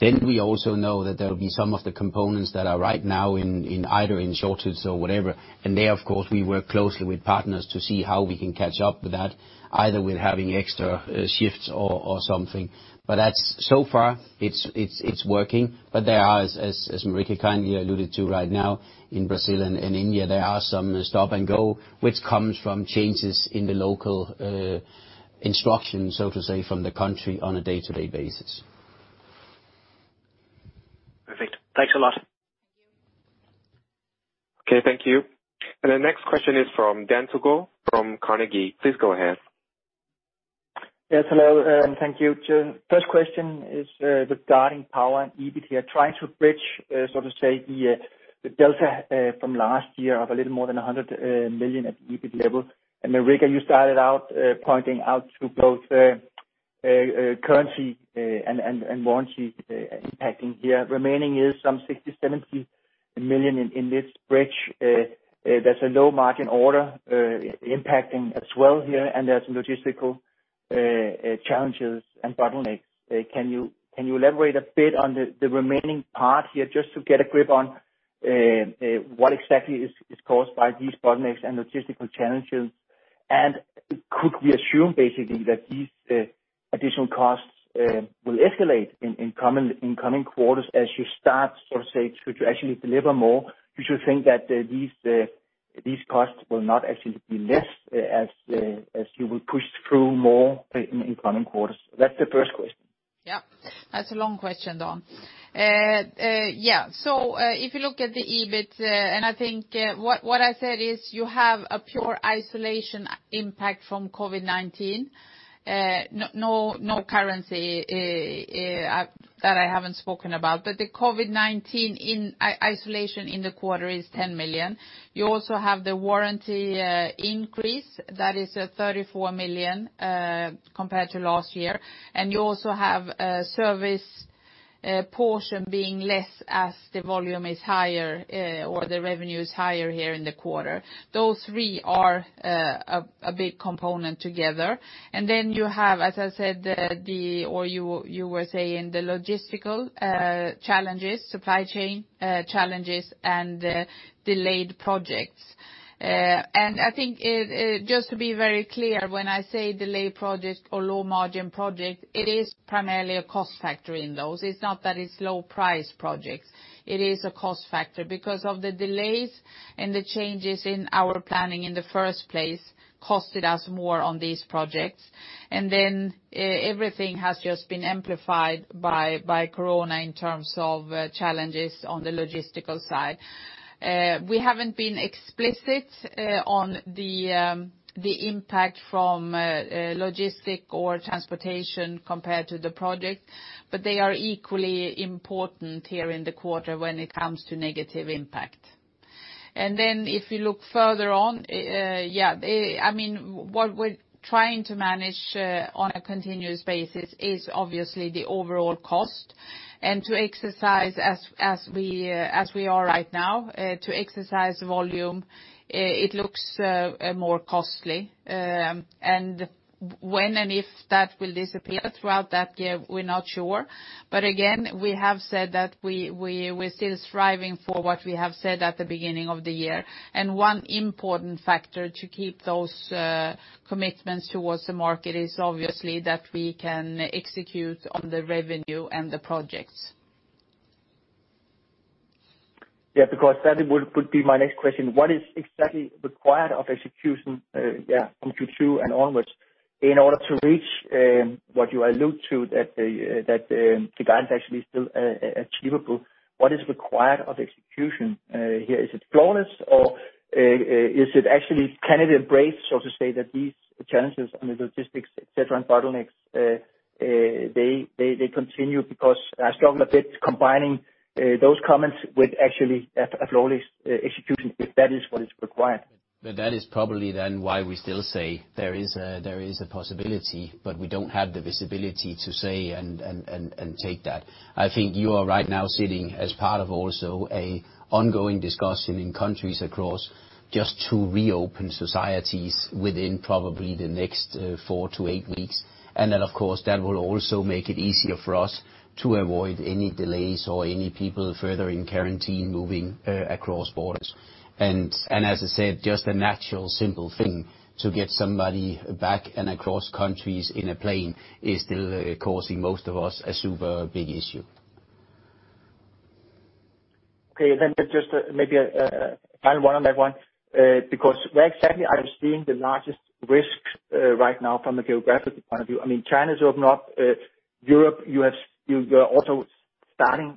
We also know that there will be some of the components that are right now in either in shortage or whatever, and there, of course, we work closely with partners to see how we can catch up with that, either with having extra shifts or something, but that's so far, it's working. There are, as Marika kindly alluded to right now, in Brazil and in India, there are some stop and go, which comes from changes in the local instruction, so to say, from the country on a day-to-day basis. Perfect. Thanks a lot. Thank you. Okay, thank you. The next question is from Dan Togo from Carnegie. Please go ahead. Yes, hello. Thank you. First question is regarding power and EBIT here, trying to bridge, so to say, the delta from last year of a little more than 100 million at the EBIT level. Marika, you started out pointing out to both currency and warranty impacting here. Remaining is some 60 million-70 million in this bridge. There's a low margin order impacting as well here, and there's logistical challenges and bottlenecks. Can you elaborate a bit on the remaining part here just to get a grip on what exactly is caused by these bottlenecks and logistical challenges? Could we assume basically that these additional costs will escalate in coming quarters as you start, so to say, to actually deliver more? We should think that these costs will not actually be less as you will push through more in coming quarters. That's the first question. Yeah. That's a long question, Dan. Yeah. If you look at the EBIT, and I think what I said is you have a pure isolation impact from COVID-19. No currency that I haven't spoken about. The COVID-19 in isolation in the quarter is 10 million. You also have the warranty increase, that is 34 million, compared to last year. You also have a service portion being less as the volume is higher or the revenue is higher here in the quarter. Those three are a big component together. You have, as I said, or you were saying, the logistical challenges, supply chain challenges, and delayed projects. I think just to be very clear, when I say delayed project or low margin project, it is primarily a cost factor in those. It's not that it's low price projects. It is a cost factor because of the delays and the changes in our planning in the first place costed us more on these projects. Everything has just been amplified by COVID-19 in terms of challenges on the logistical side. We haven't been explicit on the impact from logistic or transportation compared to the project, but they are equally important here in the quarter when it comes to negative impact. If you look further on, what we're trying to manage on a continuous basis is obviously the overall cost, and to exercise as we are right now, to exercise volume, it looks more costly. When and if that will disappear throughout that year, we're not sure. Again, we have said that we're still striving for what we have said at the beginning of the year. One important factor to keep those commitments towards the market is obviously that we can execute on the revenue and the projects. Yeah, that would be my next question. What is exactly required of execution, Q2 and onwards in order to reach what you allude to, that the guidance actually is still achievable? What is required of execution here? Is it flawless or is it actually, can it embrace, so to say, that these challenges on the logistics, et cetera, and bottlenecks, they continue because I struggle a bit combining those comments with actually a flawless execution, if that is what is required? That is probably then why we still say there is a possibility, but we don't have the visibility to say and take that. I think you are right now sitting as part of also a ongoing discussion in countries across just to reopen societies within probably the next four to eight weeks. Of course, that will also make it easier for us to avoid any delays or any people further in quarantine moving across borders. As I said, just a natural, simple thing to get somebody back and across countries in a plane is still causing most of us a super big issue. Okay, just maybe a final one on that one, where exactly are you seeing the largest risks right now from a geographic point of view? China's opened up. Europe, you are also starting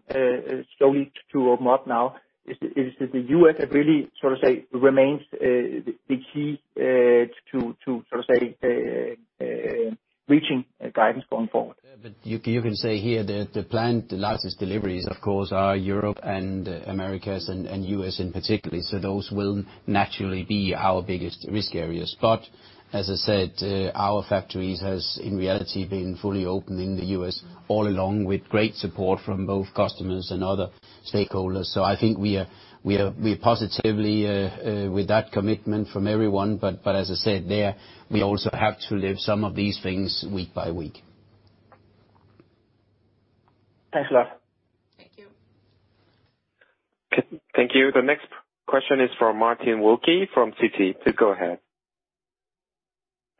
slowly to open up now. Is it the U.S. that really, so to say, remains the key to, so to say, reaching guidance going forward? You can say here the planned largest deliveries, of course, are Europe and Americas and U.S. in particular. Those will naturally be our biggest risk areas. As I said, our factories have, in reality, been fully open in the U.S. all along with great support from both customers and other stakeholders. I think we are positively with that commitment from everyone, but as I said, there, we also have to live some of these things week by week. Thanks a lot. Thank you. Thank you. The next question is from Martin Wilkie from Citi. Please go ahead.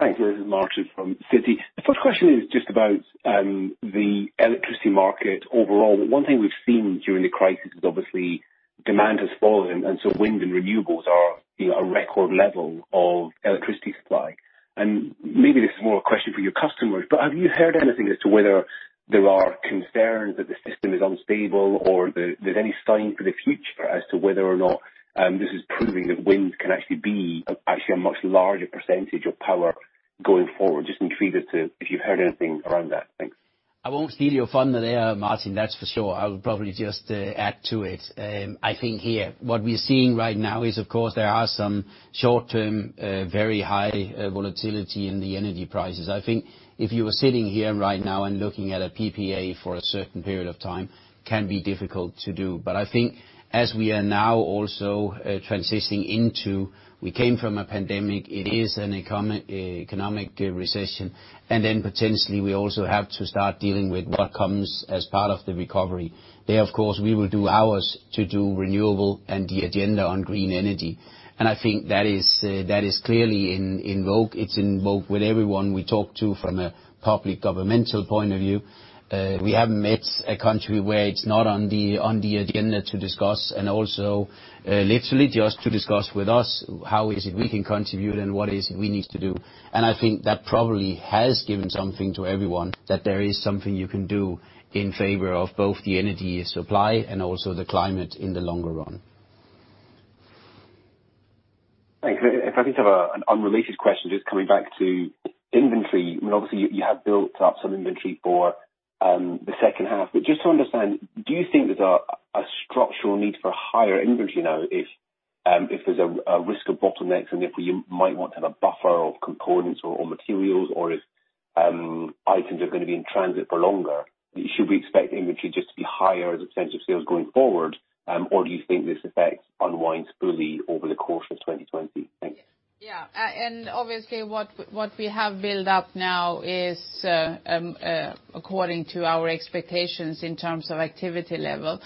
Thanks. This is Martin from Citi. The first question is just about the electricity market overall. One thing we've seen during the crisis is obviously demand has fallen, and so wind and renewables are a record level of electricity supply. Maybe this is more a question for your customers, but have you heard anything as to whether there are concerns that the system is unstable or there's any sign for the future as to whether or not this is proving that wind can actually be a much larger percentage of power going forward? Just interested if you've heard anything around that. Thanks. I won't steal your thunder there, Martin, that's for sure. I will probably just add to it. I think here, what we're seeing right now is, of course, there are some short-term, very high volatility in the energy prices. I think if you were sitting here right now and looking at a PPA for a certain period of time can be difficult to do. I think as we are now also transitioning into, we came from a pandemic, it is an economic recession, and then potentially we also have to start dealing with what comes as part of the recovery. There, of course, we will do ours to do renewable and the agenda on green energy. I think that is clearly in vogue. It's in vogue with everyone we talk to from a public governmental point of view. We haven't met a country where it's not on the agenda to discuss, and also literally just to discuss with us how is it we can contribute and what is it we need to do. I think that probably has given something to everyone, that there is something you can do in favor of both the energy supply and also the climate in the longer run. Thanks. I could have an unrelated question, just coming back to inventory. Obviously you have built up some inventory for the second half, but just to understand, do you think there's a structural need for higher inventory now if there's a risk of bottlenecks and if you might want to have a buffer of components or materials, or if items are going to be in transit for longer? Should we expect inventory just to be higher as a percentage of sales going forward? Do you think this effect unwinds fully over the course of 2020? Thanks. Yeah. Obviously what we have built up now is according to our expectations in terms of activity level.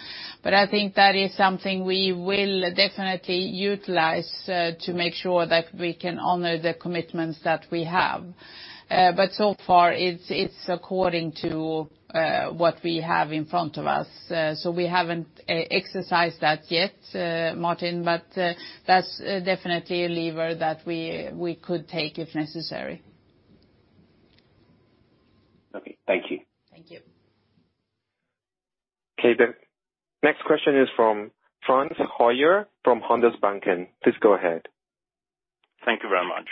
I think that is something we will definitely utilize to make sure that we can honor the commitments that we have. So far it's according to what we have in front of us. We haven't exercised that yet, Martin. That's definitely a lever that we could take if necessary. Thank you. Thank you. Okay. The next question is from Frans Hoyer from Handelsbanken. Please go ahead. Thank you very much.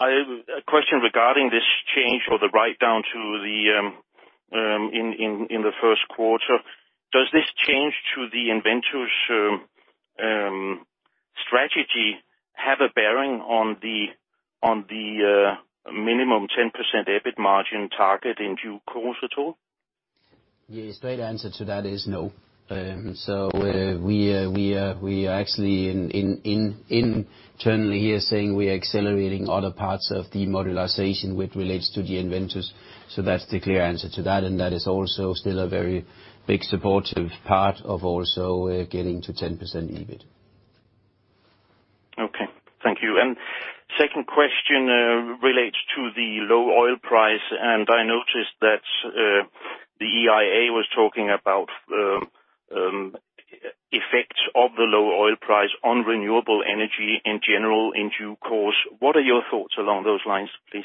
A question regarding this change or the write-down in the first quarter. Does this change to the EnVentus strategy have a bearing on the minimum 10% EBIT margin target in due course at all? Yeah, straight answer to that is no. We are actually internally here saying we are accelerating other parts of the modularization which relates to the EnVentus. That's the clear answer to that, and that is also still a very big supportive part of also getting to 10% EBIT. Okay thank you. Second question relates to the low oil price, and I noticed that the IEA was talking about effects of the low oil price on renewable energy in general, in due course. What are your thoughts along those lines, please?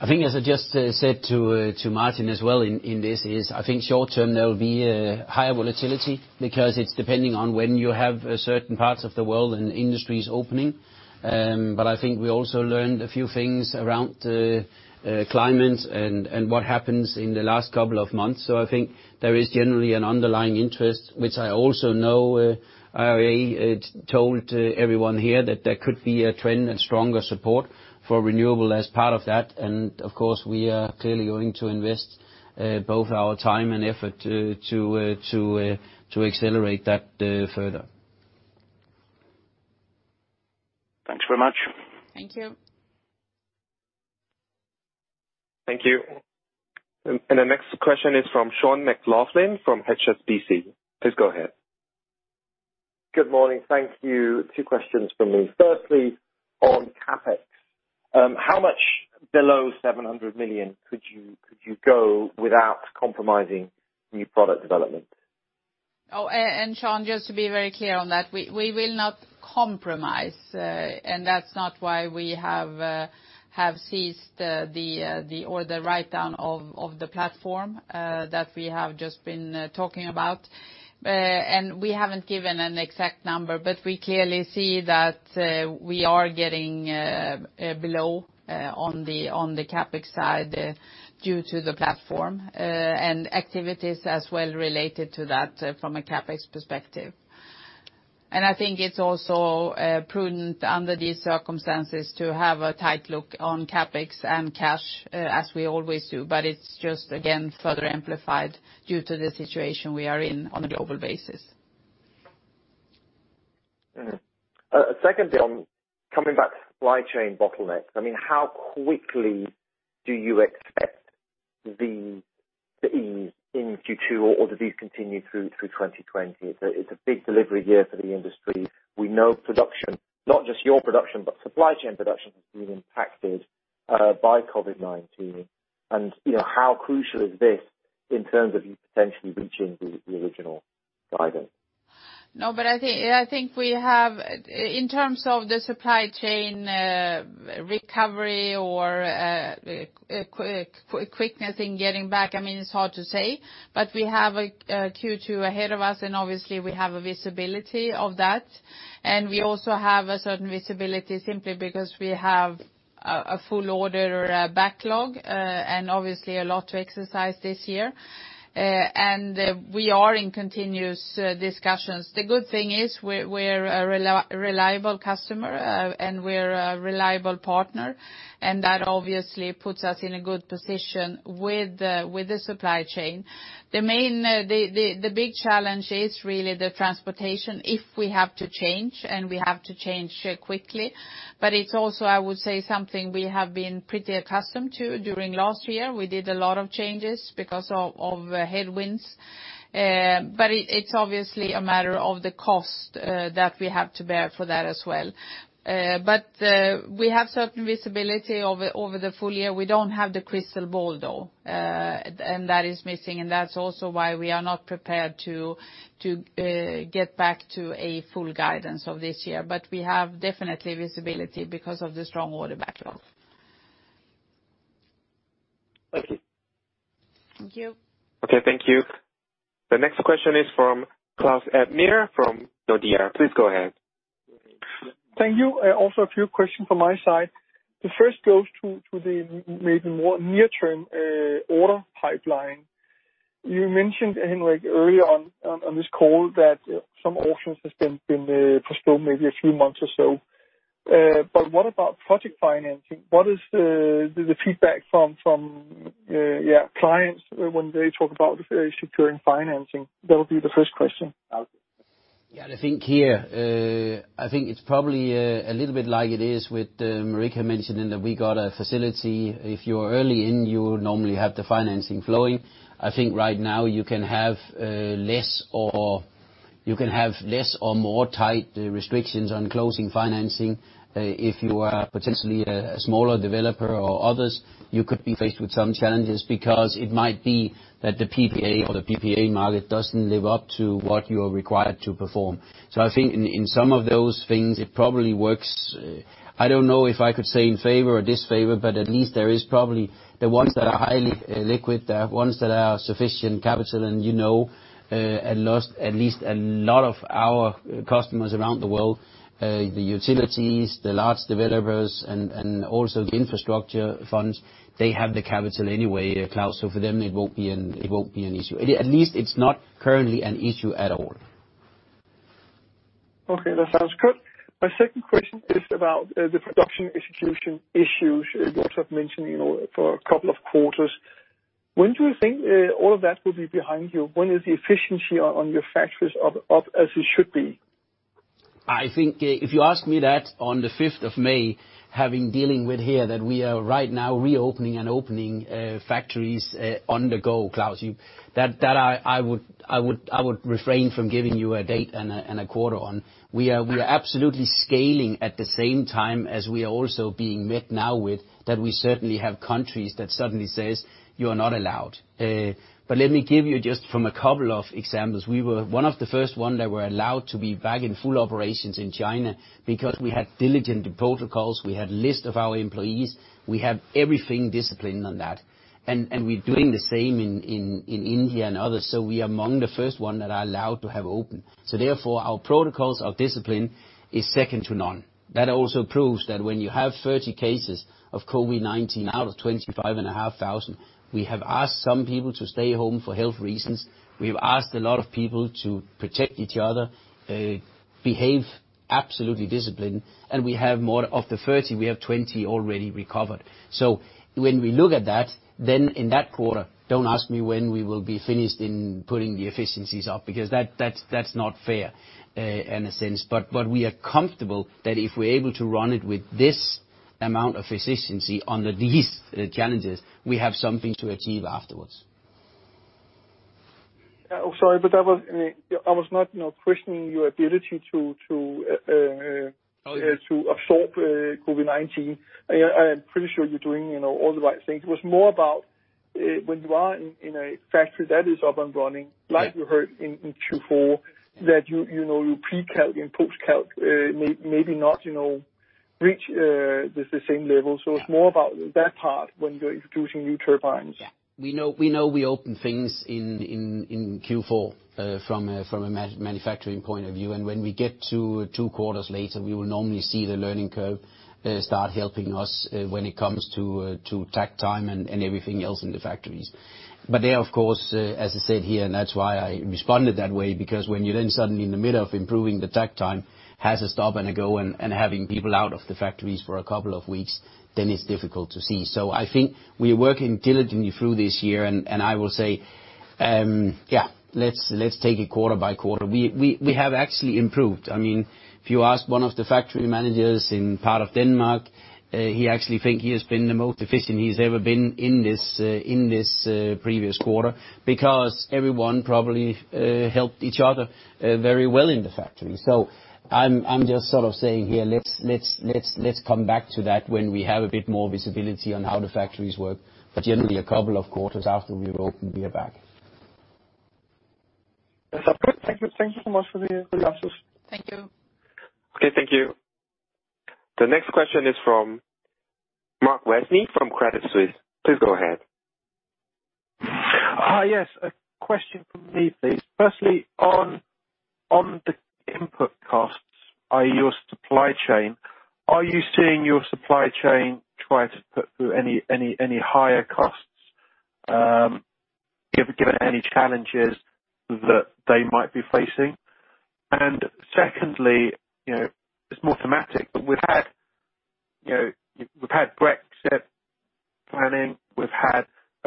I think, as I just said to Martin as well in this is, I think short term there will be a higher volatility because it is depending on when you have certain parts of the world and industries opening. I think we also learned a few things around climate and what happens in the last couple of months. I think there is generally an underlying interest, which I also know IEA told everyone here that there could be a trend and stronger support for renewable as part of that. Of course, we are clearly going to invest both our time and effort to accelerate that further. Thanks very much. Thank you. Thank you. The next question is from Sean McLoughlin from HSBC. Please go ahead. Good morning. Thank you. Two questions from me. Firstly, on CapEx. How much below 700 million could you go without compromising new product development? Sean, just to be very clear on that, we will not compromise. That's not why we have sized the order write-down of the platform that we have just been talking about. We haven't given an exact number, but we clearly see that we are getting below on the CapEx side due to the platform, and activities as well related to that from a CapEx perspective. I think it's also prudent under these circumstances to have a tight look on CapEx and cash as we always do. It's just again, further amplified due to the situation we are in on a global basis. Secondly on coming back to supply chain bottlenecks, how quickly do you expect the ease in Q2 or do these continue through 2020? It's a big delivery year for the industry. We know production, not just your production, but supply chain production has been impacted by COVID-19. How crucial is this in terms of you potentially reaching the original guidance? I think we have in terms of the supply chain recovery or quickness in getting back, it's hard to say. We have Q2 ahead of us, and obviously we have a visibility of that. We also have a certain visibility simply because we have a full order backlog, and obviously a lot to exercise this year. We are in continuous discussions. The good thing is we're a reliable customer, and we're a reliable partner, and that obviously puts us in a good position with the supply chain. The big challenge is really the transportation if we have to change and we have to change quickly. It's also, I would say, something we have been pretty accustomed to during last year. We did a lot of changes because of headwinds. It's obviously a matter of the cost that we have to bear for that as well. We have certain visibility over the full year. We don't have the crystal ball, though. That is missing and that's also why we are not prepared to get back to a full guidance of this year. We have definitely visibility because of the strong order backlogs. Thank you. Thank you. Okay. Thank you. The next question is from Claus Almer from Nordea. Please go ahead. Thank you. A few questions from my side. The first goes to the maybe more near term order pipeline. You mentioned, Henrik, earlier on this call that some auctions has been postponed maybe a few months or so. What about project financing? What is the feedback from clients when they talk about securing financing? That would be the first question. I think it's probably a little bit like it is with Marika mentioning that we got a facility. If you're early in, you normally have the financing flowing. I think right now you can have less or more tight restrictions on closing financing. If you are potentially a smaller developer or others, you could be faced with some challenges because it might be that the PPA market doesn't live up to what you are required to perform. I think in some of those things, it probably works. I don't know if I could say in favor or disfavor, but at least there is probably the ones that are highly liquid, there are ones that are sufficient capital and you know, at least a lot of our customers around the world, the utilities, the large developers, and also the infrastructure funds, they have the capital anyway, Claus, so for them, it won't be an issue. At least it's not currently an issue at all. Okay, that sounds good. My second question is about the production execution issues you also have mentioned for a couple of quarters. When do you think all of that will be behind you? When is the efficiency on your factories up as it should be? I think if you ask me that on the 5th of May, having dealing with here that we are right now reopening and opening factories on the go, Claus. That I would refrain from giving you a date and a quarter on. We are absolutely scaling at the same time as we are also being met now with that we certainly have countries that suddenly says, "You are not allowed." Let me give you just from a couple of examples. We were one of the first one that were allowed to be back in full operations in China because we had diligent protocols, we had list of our employees. We have everything disciplined on that, and we're doing the same in India and others. We are among the first one that are allowed to have open. Therefore our protocols of discipline is second to none. That also proves that when you have 30 cases of COVID-19 out of 25,500, we have asked some people to stay home for health reasons. We've asked a lot of people to protect each other, behave absolutely disciplined. We have more of the 30, we have 20 already recovered. When we look at that, in that quarter, don't ask me when we will be finished in putting the efficiencies up, because that's not fair in a sense. We are comfortable that if we're able to run it with this amount of efficiency under these challenges, we have something to achieve afterwards. Sorry, but I was not questioning your ability to- Oh, yeah. Absorb COVID-19. I am pretty sure you're doing all the right things. It was more about when you are in a factory that is up and running, like you heard in Q4, that your pre-calc and post-calc maybe not reach the same level. It's more about that part when you're introducing new turbines. Yeah. We know we open things in Q4, from a manufacturing point of view. When we get to two quarters later, we will normally see the learning curve start helping us when it comes to takt time and everything else in the factories. There, of course, as I said here, and that's why I responded that way, because when you then suddenly in the middle of improving the takt time, has a stop and a go and having people out of the factories for a couple of weeks, then it's difficult to see. I think we are working diligently through this year, and I will say, let's take it quarter by quarter. We have actually improved. If you ask one of the factory managers in part of Denmark, he actually think he has been the most efficient he's ever been in this previous quarter, because everyone probably helped each other very well in the factory. I'm just sort of saying here, let's come back to that when we have a bit more visibility on how the factories work. Generally, a couple of quarters after we've opened here back. That's good. Thank you so much for the answers. Thank you. Okay, thank you. The next question is from Mark Freshney from Credit Suisse. Please go ahead. Yes. A question from me, please. Firstly, on the input costs, i.e., your supply chain, are you seeing your supply chain try to put through any higher costs, given any challenges that they might be facing? Secondly, it's more thematic, but we've had Brexit planning, we've had,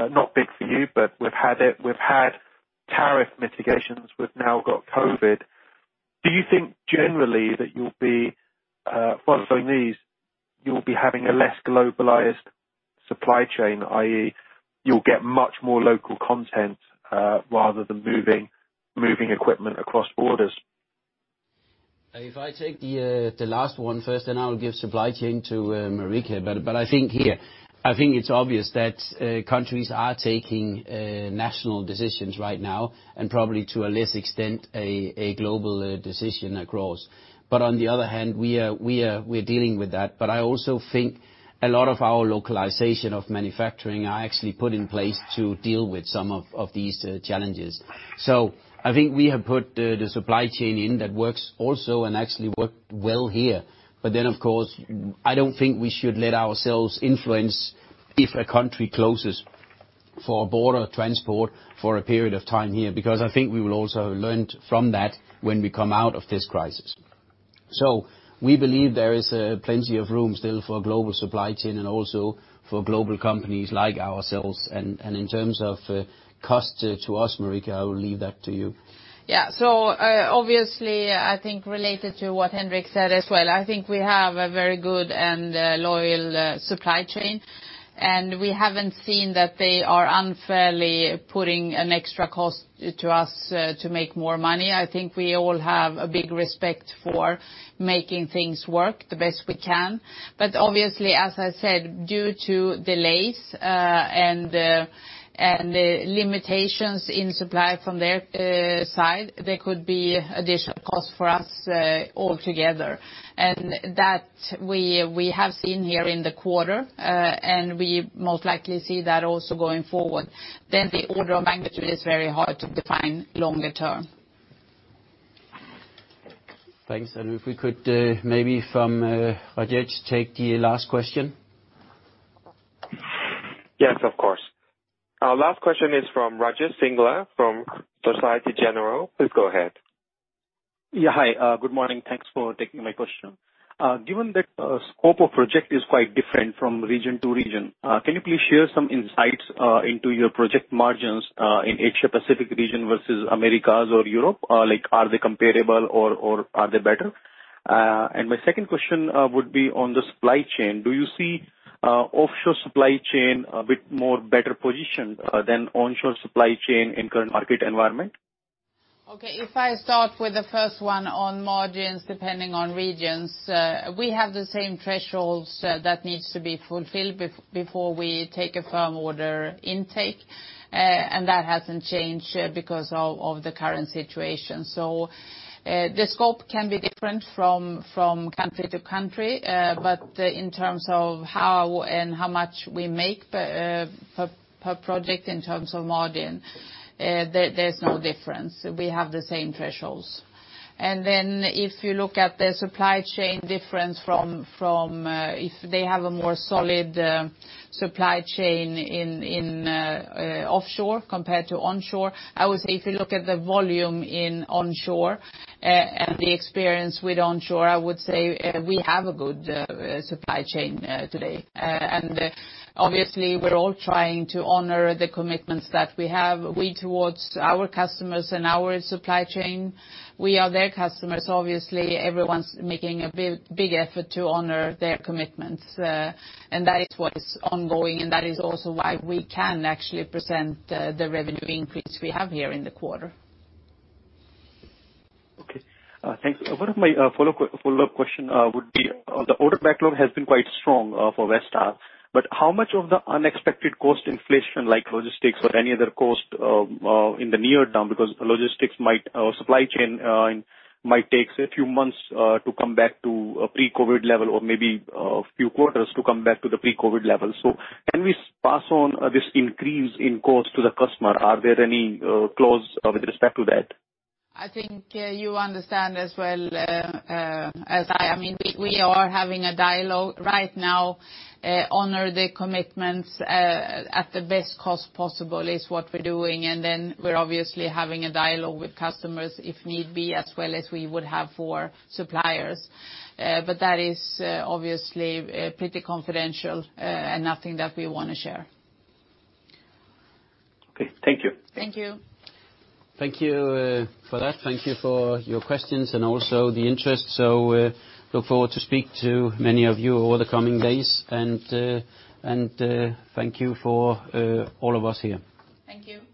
not big for you, but we've had tariff mitigations, we've now got COVID-19. Do you think generally that you'll be, whilst doing these, you'll be having a less globalized supply chain, i.e., you'll get much more local content, rather than moving equipment across borders? If I take the last one first, then I'll give supply chain to Marika. I think here, I think it's obvious that countries are taking national decisions right now, and probably to a less extent, a global decision across. On the other hand, we're dealing with that. I also think a lot of our localization of manufacturing are actually put in place to deal with some of these challenges. I think we have put the supply chain in that works also and actually worked well here. Of course, I don't think we should let ourselves influence if a country closes for border transport for a period of time here, because I think we will also learn from that when we come out of this crisis. We believe there is plenty of room still for global supply chain and also for global companies like ourselves. In terms of cost to us, Marika, I will leave that to you. Yeah. Obviously, I think related to what Henrik said as well, I think we have a very good and loyal supply chain, and we haven't seen that they are unfairly putting an extra cost to us to make more money. I think we all have a big respect for making things work the best we can. Obviously, as I said, due to delays and the limitations in supply from their side, there could be additional costs for us altogether. That we have seen here in the quarter, and we most likely see that also going forward. The order of magnitude is very hard to define longer term. Thanks. If we could maybe from Rajesh take the last question. Yes, of course. Our last question is from Rajesh Singla from Societe Generale. Please go ahead. Yeah. Hi, good morning, thanks for taking my question. Given that scope of project is quite different from region to region, can you please share some insights into your project margins in Asia Pacific region versus Americas or Europe? Are they comparable or are they better? My second question would be on the supply chain. Do you see offshore supply chain a bit more better positioned than onshore supply chain in current market environment? Okay. If I start with the first one on margins depending on regions. We have the same thresholds that needs to be fulfilled before we take a firm order intake. That hasn't changed because of the current situation. The scope can be different from country to country, but in terms of how and how much we make per project in terms of margin, there's no difference. We have the same thresholds. If you look at the supply chain difference from if they have a more solid supply chain in offshore compared to onshore, I would say if you look at the volume in onshore and the experience with onshore, I would say we have a good supply chain today. Obviously we're all trying to honor the commitments that we have, we towards our customers and our supply chain. We are their customers, obviously, everyone's making a big effort to honor their commitments. That is what is ongoing, and that is also why we can actually present the revenue increase we have here in the quarter. Okay, thanks. One of my follow-up question would be, the order backlog has been quite strong for Vestas. How much of the unexpected cost inflation, like logistics or any other cost in the near term, because supply chain might take say few months to come back to pre-COVID level or maybe a few quarters to come back to the pre-COVID level. Can we pass on this increase in cost to the customer? Are there any clause with respect to that? I think you understand as well as I. We are having a dialogue right now, honor the commitments at the best cost possible is what we're doing. We're obviously having a dialogue with customers if need be, as well as we would have for suppliers. That is obviously pretty confidential and nothing that we want to share. Okay. Thank you. Thank you. Thank you for that. Thank you for your questions and also the interest. Look forward to speak to many of you over the coming days. Thank you for all of us here. Thank you.